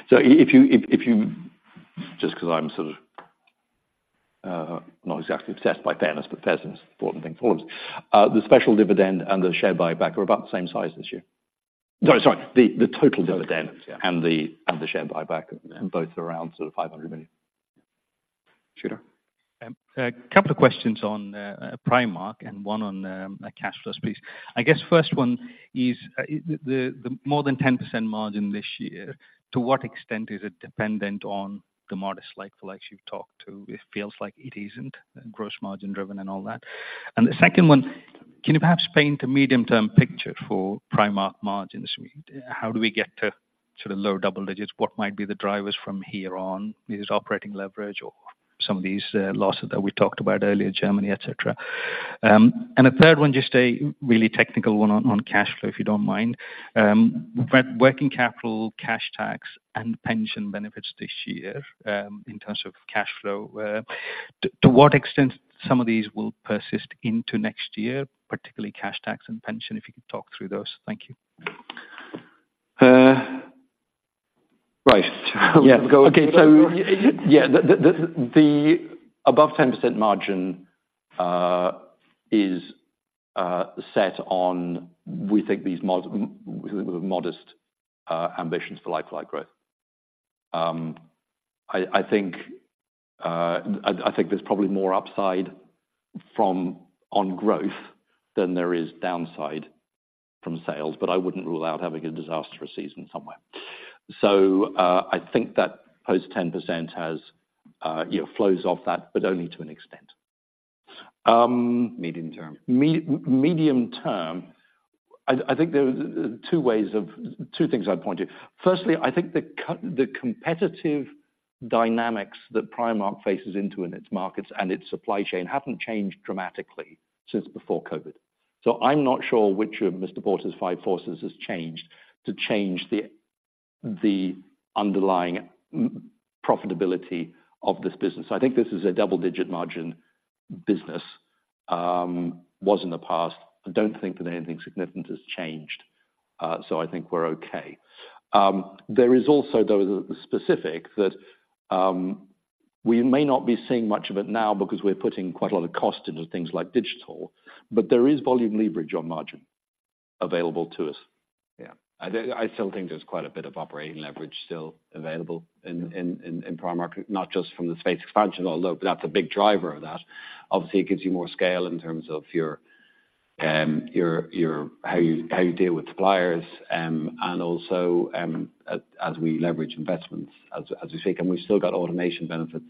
Just because I'm sort of not exactly obsessed by fairness, but fairness is an important thing for us. The special dividend and the share buyback are about the same size this year? No, sorry. The total dividend and the share buyback are both around sort of 500 million. A couple of questions on Primark and one on a cash flow, please. I guess first one is the more than 10% margin this year, to what extent is it dependent on the modest like-for-like you've talked to? It feels like it isn't gross margin driven and all that. And the second one, can you perhaps paint a medium-term picture for Primark margins? How do we get to sort of lower double digits? What might be the drivers from here on? Is it operating leverage or some of these losses that we talked about earlier, Germany, etc.. And a third one, just a really technical one on cash flow, if you don't mind. Working capital, cash tax, and pension benefits this year, in terms of cash flow, to what extent some of these will persist into next year, particularly cash, tax, and pension, if you could talk through those. Thank you. Uh, right. Yeah. Okay. So yeah, the above 10% margin is set on we think these with modest ambitions for like-for-like growth. I think there's probably more upside from, on growth than there is downside from sales, but I wouldn't rule out having a disastrous season somewhere. So, I think that post 10% has, you know, flows off that, but only to an extent. Medium term. In the medium term, I think there are two things I'd point to. Firstly, I think the competitive dynamics that Primark faces into in its markets and its supply chain haven't changed dramatically since before COVID. So I'm not sure which of Mr. Porter's five forces has changed to change the underlying profitability of this business. I think this is a double-digit margin business, was in the past. I don't think that anything significant has changed, so I think we're okay. There is also, though, the specific that we may not be seeing much of it now because we're putting quite a lot of cost into things like digital, but there is volume leverage on margin available to us. Yeah. I still think there's quite a bit of operating leverage still available in Primark, not just from the space expansion, although that's a big driver of that. Obviously, it gives you more scale in terms of how you deal with suppliers, and also, as we leverage investments, as we see, and we've still got automation benefits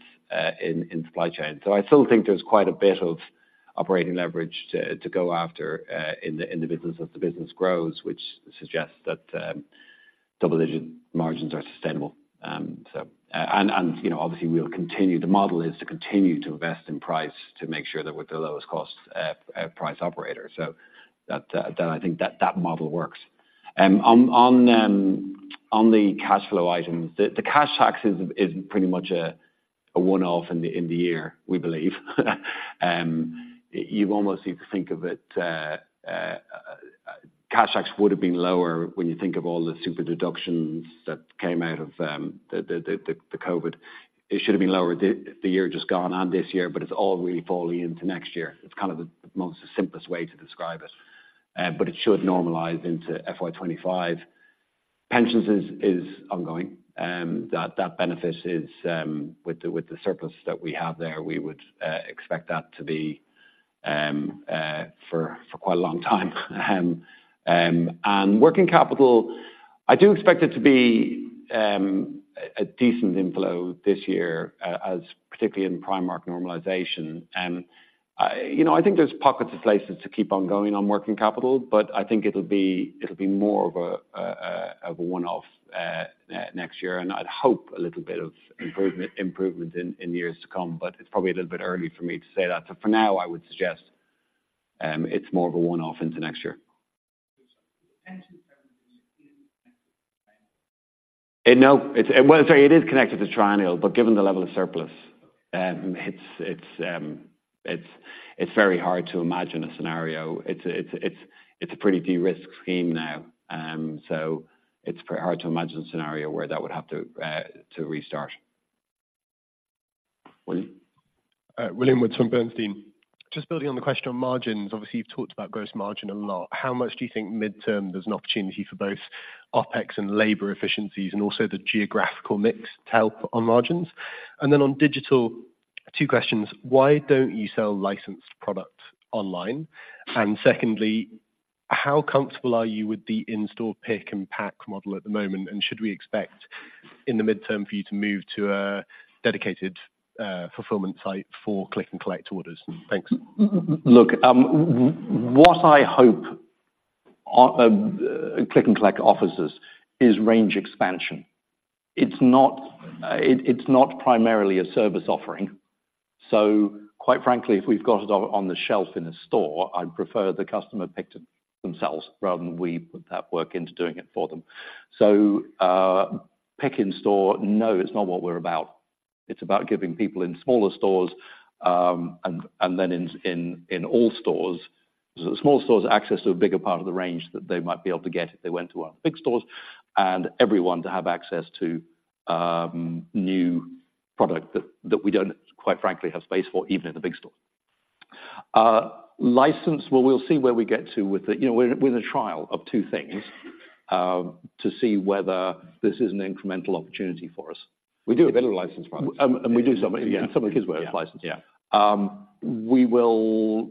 in supply chain. So I still think there's quite a bit of operating leverage to go after in the business as the business grows, which suggests that double-digit margins are sustainable. So, and, you know, obviously, we'll continue, the model is to continue to invest in price to make sure that we're the lowest cost price operator. So that I think that model works. On the cash flow items, the cash tax is pretty much a one-off in the year, we believe. You almost need to think of it, cash tax would have been lower when you think of all the super deductions that came out of the COVID. It should have been lower the year just gone on this year, but it's all really falling into next year. It's kind of the most simplest way to describe it, but it should normalize into FY 2025. Pensions is ongoing, that benefit is, with the surplus that we have there, we would expect that to be, for quite a long time. Working capital, I do expect it to be a decent inflow this year, as particularly in Primark normalization. You know, I think there's pockets of places to keep on going on working capital, but I think it'll be more of a one-off next year, and I'd hope a little bit of improvement in years to come, but it's probably a little bit early for me to say that. So for now, I would suggest it's more of a one-off into next year. It's, well, sorry, it is connected to triennial, but given the level of surplus, it's very hard to imagine a scenario. It's a pretty de-risked scheme now, so it's pretty hard to imagine a scenario where that would have to to restart. William Woods from Bernstein. Just building on the question on margins, obviously, you've talked about gross margin a lot. How much do you think midterm there's an opportunity for both OpEx and labor efficiencies and also the geographical mix to help on margins? And then on digital, two questions: Why don't you sell licensed product online? And secondly, how comfortable are you with the in-store pick and pack model at the moment, and should we expect in the midterm for you to move to a dedicated fulfillment site for Click and Collect orders? Thanks. Look, what I hope Click and Collect offers us is range expansion. It's not primarily a service offering, so quite frankly, if we've got it on the shelf in a store, I'd prefer the customer pick it themselves, rather than we put that work into doing it for them. So, pick in store, no, it's not what we're about. It's about giving people in smaller stores and then in all stores small stores access to a bigger part of the range that they might be able to get if they went to our big stores, and everyone to have access to new product that we don't, quite frankly, have space for, even in the big store. License, well, we'll see where we get to with the, you know, we're in a trial of two things to see whether this is an incremental opportunity for us. We do a bit of licensed products. We do some, some of his work is licensed. We will,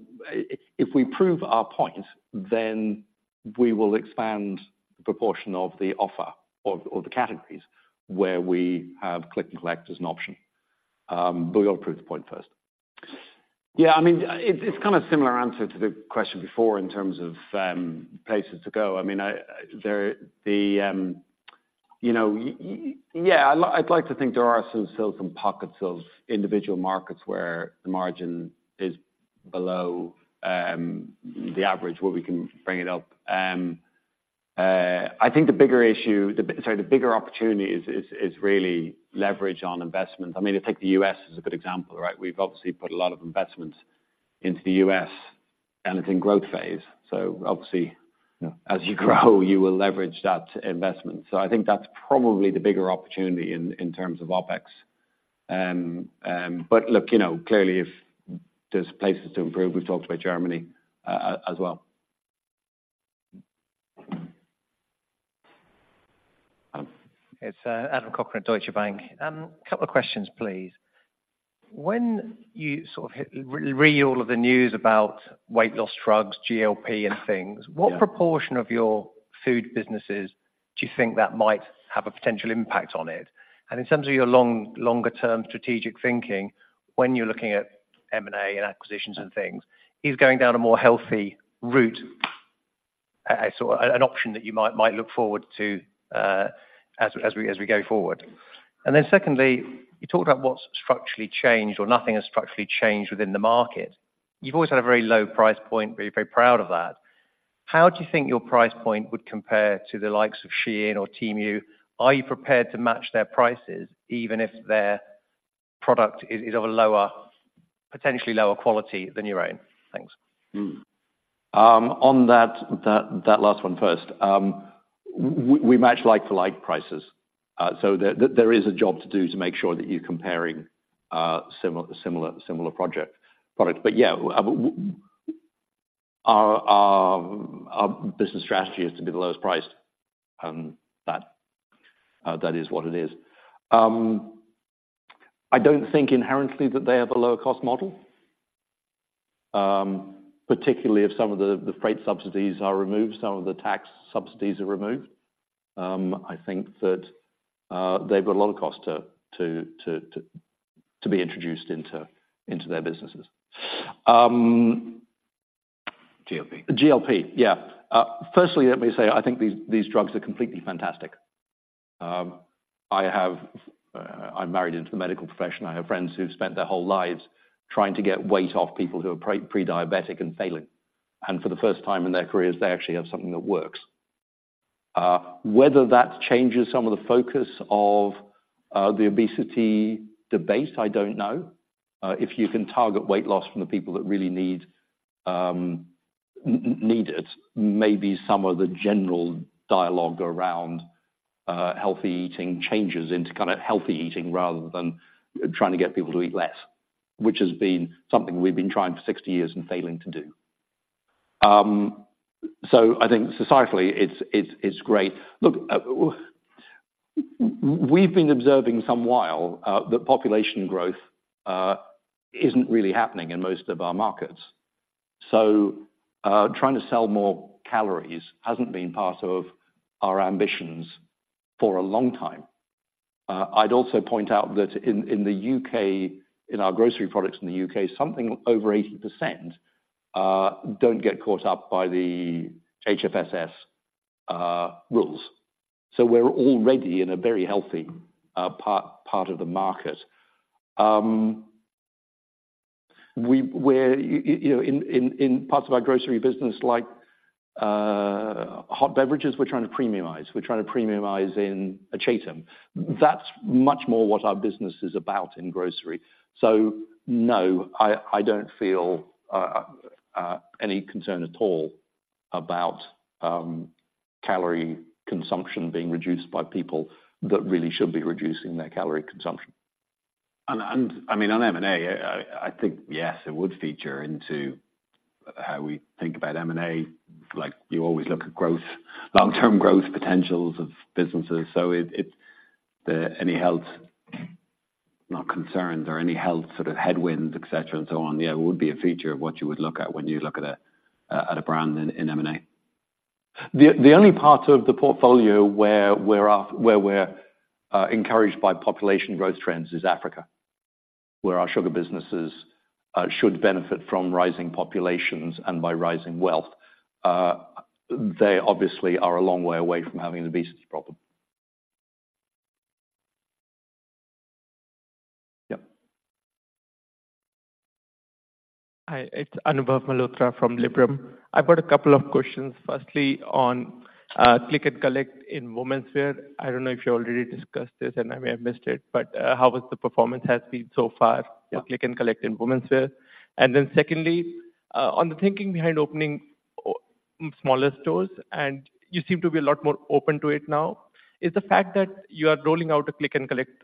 if we prove our point, then we will expand the proportion of the offer or the categories where we have Click and Collect as an option. But we've got to prove the point first. Yeah, I mean, it's, it's kind of a similar answer to the question before in terms of, places to go. I mean, you know, yeah, I'd like to think there are still some pockets of individual markets where the margin is below the average, where we can bring it up. I think the bigger issue, sorry, the bigger opportunity is really leverage on investment. I mean, I think the U.S. is a good example, right? We've obviously put a lot of investment into the U.S., and it's in growth phase, so obviously as you grow, you will leverage that investment. So I think that's probably the bigger opportunity in terms of OpEx. But look, you know, clearly, if there's places to improve, we've talked about Germany, as well. It's Adam Cochrane at Deutsche Bank. A couple of questions, please. When you sort of read all of the news about weight loss drugs, GLP and things- what proportion of your food businesses do you think that might have a potential impact on it? And in terms of your long, longer term strategic thinking, when you're looking at M&A and acquisitions and things, is going down a more healthy route, as sort of an option that you might look forward to, as we go forward? And then secondly, you talked about what's structurally changed or nothing has structurally changed within the market. You've always had a very low price point, where you're very proud of that. How do you think your price point would compare to the likes of Shein or Temu? Are you prepared to match their prices, even if their product is of a lower, potentially lower quality than your own? Thanks. On that last one first, we match like-for-like prices. So there is a job to do to make sure that you're comparing similar product. But yeah, our business strategy is to be the lowest price, that is what it is. I don't think inherently that they have a lower cost model, particularly if some of the freight subsidies are removed, some of the tax subsidies are removed. I think that they've got a lot of cost to be introduced into their businesses. GLP. GLP, yeah. Firstly, let me say, I think these, these drugs are completely fantastic. I have, I'm married into the medical profession. I have friends who've spent their whole lives trying to get weight off people who are pre-diabetic and failing, and for the first time in their careers, they actually have something that works. Whether that changes some of the focus of the obesity debate, I don't know. If you can target weight loss from the people that really need it, maybe some of the general dialogue around healthy eating changes into kind of healthy eating, rather than trying to get people to eat less, which has been something we've been trying for 60 years and failing to do. So I think societally, it's great. Look, we've been observing for some while that population growth isn't really happening in most of our markets. So, trying to sell more calories hasn't been part of our ambitions for a long time. I'd also point out that in the U.K., in our grocery products in the U.K., something over 80% don't get caught up by the HFSS rules, so we're already in a very healthy part of the market. You know, in parts of our grocery business, like hot beverages, we're trying to premiumize. We're trying to premiumize in. [inaudible] That's much more what our business is about in grocery. So no, I don't feel any concern at all about calorie consumption being reduced by people that really should be reducing their calorie consumption. I mean, on M&A, I think, yes, it would feature into how we think about M&A. Like, you always look at growth, long-term growth potentials of businesses. So it, any health, not concerns or any health sort of headwinds, etc., and so on, yeah, it would be a feature of what you would look at when you look at a brand in M&A. The only part of the portfolio where we're encouraged by population growth trends is Africa, where our sugar businesses should benefit from rising populations and by rising wealth. They obviously are a long way away from having an obesity problem. Yeah. Hi, it's Anubhav Malhotra from Liberum. I've got a couple of questions. Firstly, on Click and Collect in womenswear. I don't know if you already discussed this, and I may have missed it, but how has the performance has been so far for Click and Collect in womenswear? And then secondly, on the thinking behind opening smaller stores, and you seem to be a lot more open to it now. Is the fact that you are rolling out a Click and Collect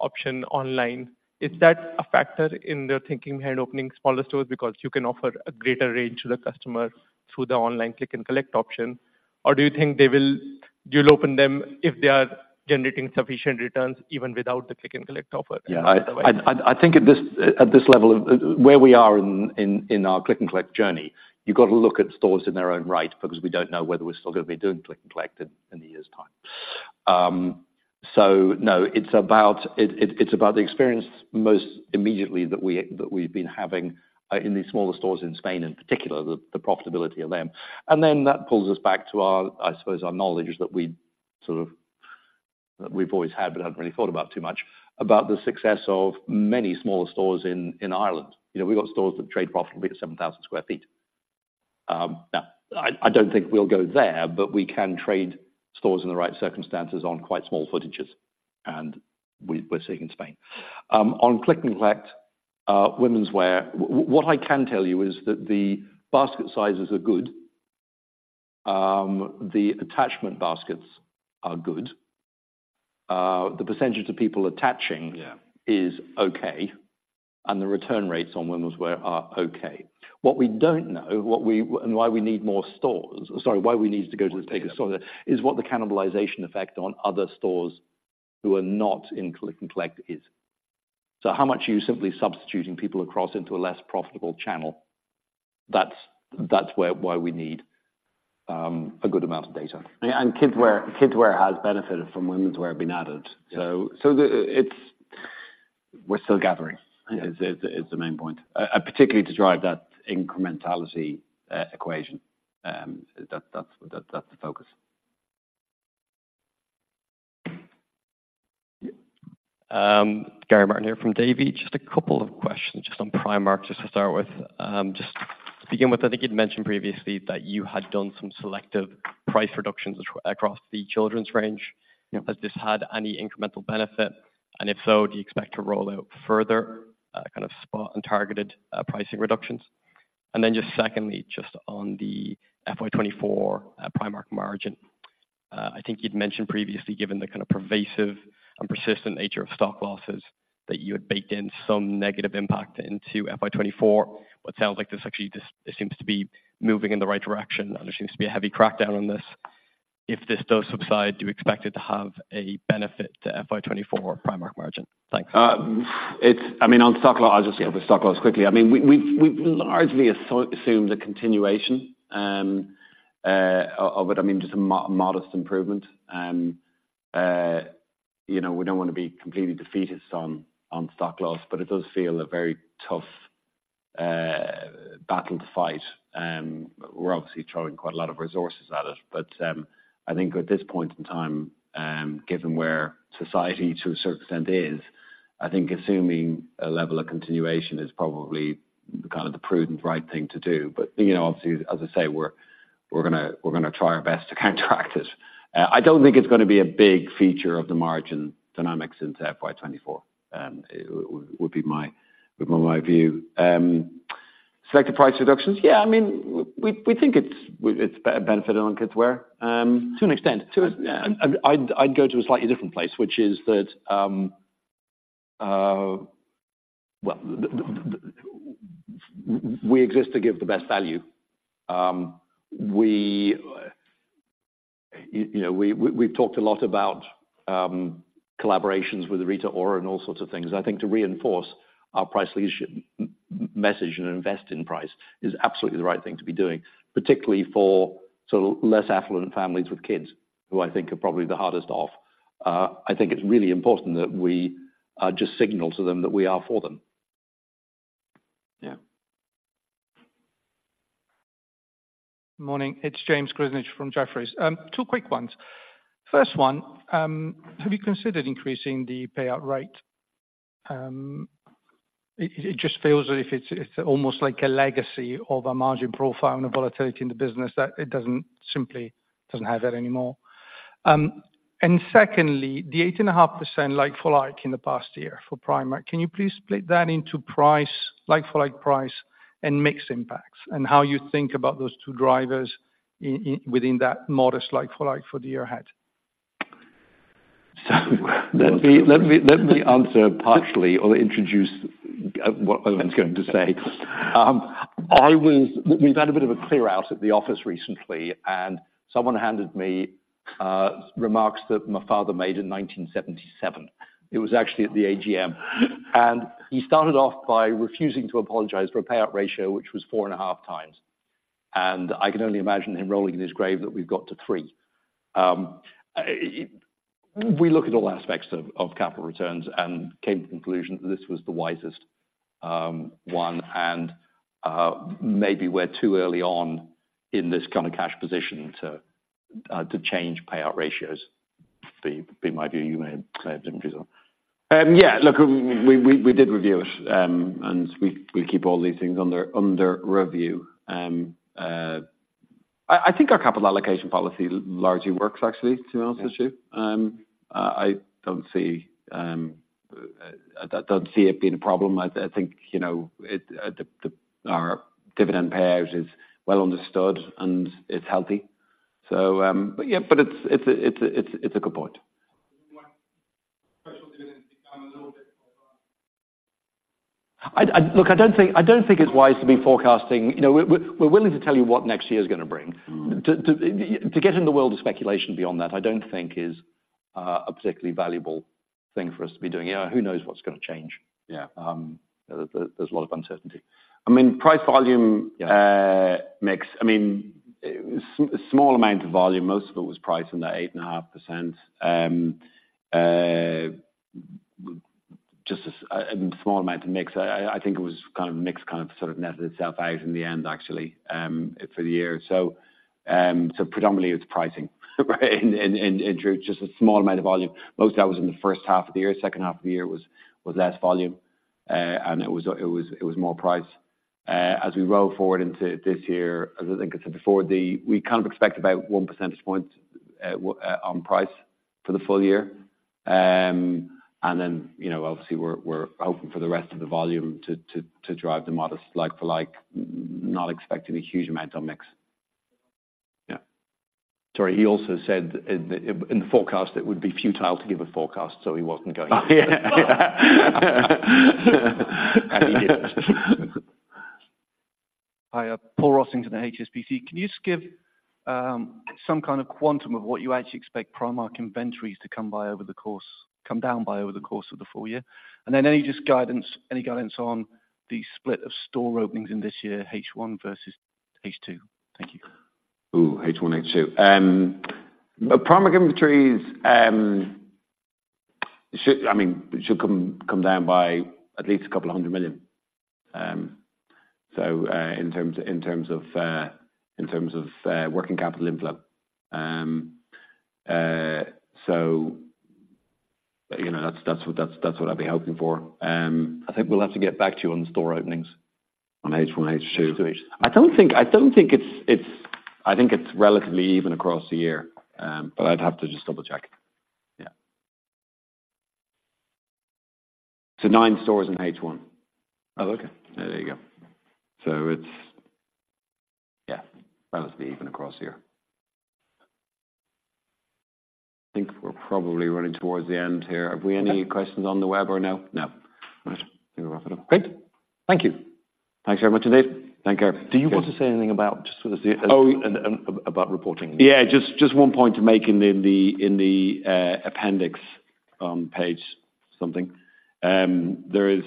option online, is that a factor in the thinking behind opening smaller stores? Because you can offer a greater range to the customers through the online Click and Collect option, or do you think you'll open them if they are generating sufficient returns, even without the Click and Collect offer? Yeah, I think at this level of where we are in our Click and Collect journey, you've got to look at stores in their own right, because we don't know whether we're still gonna be doing Click and Collect in a year's time. So no, it's about the experience most immediately that we've been having in these smaller stores in Spain, in particular, the profitability of them. And then that pulls us back to our, I suppose, our knowledge that we've always had, but hadn't really thought about too much, about the success of many smaller stores in Ireland. You know, we've got stores that trade profitably at 7,000 sq ft. Now, I don't think we'll go there, but we can trade stores in the right circumstances on quite small footages, and we're seeing in Spain. On Click and Collect, womenswear, what I can tell you is that the basket sizes are good. The attachment baskets are good. The percentage of people attaching is okay, and the return rates on womenswear are okay. What we don't know, and why we need more stores—Sorry, why we need to go to the bigger store, is what the cannibalization effect on other stores who are not in Click and Collect is. So how much are you simply substituting people across into a less profitable channel? That's where, why we need a good amount of data. Yeah, and kidswear, kidswear has benefited from womenswear being added. Yeah. So, the, it's, we're still gathering, is the main point. And particularly to drive that incrementality equation, that's the focus. Gary Martin here from Davy. Just a couple of questions, just on Primark, just to start with. Just to begin with, I think you'd mentioned previously that you had done some selective price reductions across the children's range. Has this had any incremental benefit? And if so, do you expect to roll out further, kind of spot and targeted, pricing reductions? And then just secondly, just on the FY 2024, Primark margin. I think you'd mentioned previously, given the kind of pervasive and persistent nature of stock losses, that you had baked in some negative impact into FY 2024. What sounds like this actually this, this seems to be moving in the right direction, and there seems to be a heavy crackdown on this. If this does subside, do you expect it to have a benefit to FY 2024 Primark margin? Thanks. It's I mean, on stock loss. I'll just deal with stock loss quickly. I mean, we've largely assumed a continuation of it. I mean, just a modest improvement. You know, we don't wanna be completely defeatist on stock loss, but it does feel a very tough battle to fight. We're obviously throwing quite a lot of resources at it, but I think at this point in time, given where society to a certain extent is, I think assuming a level of continuation is probably kind of the prudent, right thing to do. But you know, obviously, as I say, we're gonna try our best to counteract it. I don't think it's gonna be a big feature of the margin dynamics into FY 2024, would be my view. Selective price reductions, yeah, I mean, we think it's benefited kidswear to an extent. To- Yeah. I'd go to a slightly different place, which is that, well, we exist to give the best value. We, you know, we've talked a lot about collaborations with Rita Ora and all sorts of things. I think to reinforce our price leadership message and invest in price is absolutely the right thing to be doing, particularly for sort of less affluent families with kids, who I think are probably the hardest off. I think it's really important that we just signal to them that we are for them. Morning. It's James Grzinic from Jefferies. Two quick ones. First one, have you considered increasing the payout rate? It just feels as if it's almost like a legacy of a margin profile and the volatility in the business, that it simply doesn't have that anymore. And secondly, the 8.5% like-for-like in the past year for Primark, can you please split that into price, like-for-like price and mix impacts, and how you think about those two drivers within that modest like-for-like for the year ahead? So let me answer partially or introduce what Eoin's going to say. We've had a bit of a clear out at the office recently, and someone handed me remarks that my father made in 1977. It was actually at the AGM. And he started off by refusing to apologize for a payout ratio, which was 4.5x, and I can only imagine him rolling in his grave that we've got to 3. We look at all aspects of capital returns and came to the conclusion that this was the wisest one, and maybe we're too early on in this kind of cash position to change payout ratios. My view, you may have different views on. Yeah, look, we did review it, and we keep all these things under review. I think our capital allocation policy largely works actually, to be honest with you. I don't see it being a problem. I think, you know, our dividend payout is well understood, and it's healthy. So, but yeah, it's a good point. Look, I don't think it's wise to be forecasting. You know, we're willing to tell you what next year's gonna bring. To get in the world of speculation beyond that, I don't think is a particularly valuable thing for us to be doing. Yeah, who knows what's gonna change? There's a lot of uncertainty. I mean, price volume- mix, I mean, small amount of volume, most of it was priced in the 8.5%. Just as a small amount of mix. I think it was kind of mixed, kind of sort of netted itself out in the end, actually, for the year. So, predominantly, it's pricing, and just a small amount of volume. Most of that was in the first half of the year. Second half of the year was less volume, and it was more price. As we roll forward into this year, as I think I said before, we kind of expect about 1 percentage point on price for the full year. And then, you know, obviously, we're hoping for the rest of the volume to drive the modest like-for-like, not expecting a huge amount on mix. Yeah. Sorry, he also said in the, in the forecast, it would be futile to give a forecast, so he wasn't going to. He didn't. Hi, Paul Rossington at HSBC. Can you just give some kind of quantum of what you actually expect Primark inventories to come down by over the course of the full year? And then any just guidance, any guidance on the split of store openings in this year, H1 versus H2? Thank you. Ooh, H1, H2. The Primark inventories should, I mean, it should come down by at least GBP 200 million. So, in terms of working capital inflow. You know, that's what I'd be hoping for. I think we'll have to get back to you on the store openings. On H1, H2. I don't think it's relatively even across the year, but I'd have to just double-check. Yeah. Nine stores in H1. Oh, okay. There you go. So it's, yeah, relatively even across the year. I think we're probably running towards the end here. Have we any questions on the web or no? No. All right. We can wrap it up. Great. Thank you. Thanks very much, indeed. Thank you. Do you want to say anything about just sort of, about reporting? Yeah, just one point to make in the appendix, page something. There is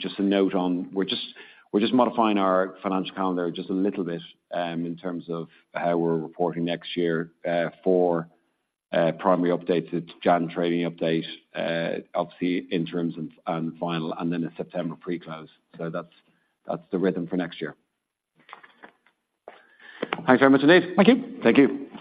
just a note on. We're just modifying our financial calendar just a little bit, in terms of how we're reporting next year, for primary updates, January trading update, obviously interims and final, and then a September pre-close. So that's the rhythm for next year. Thanks very much, indeed. Thank you. Thank you.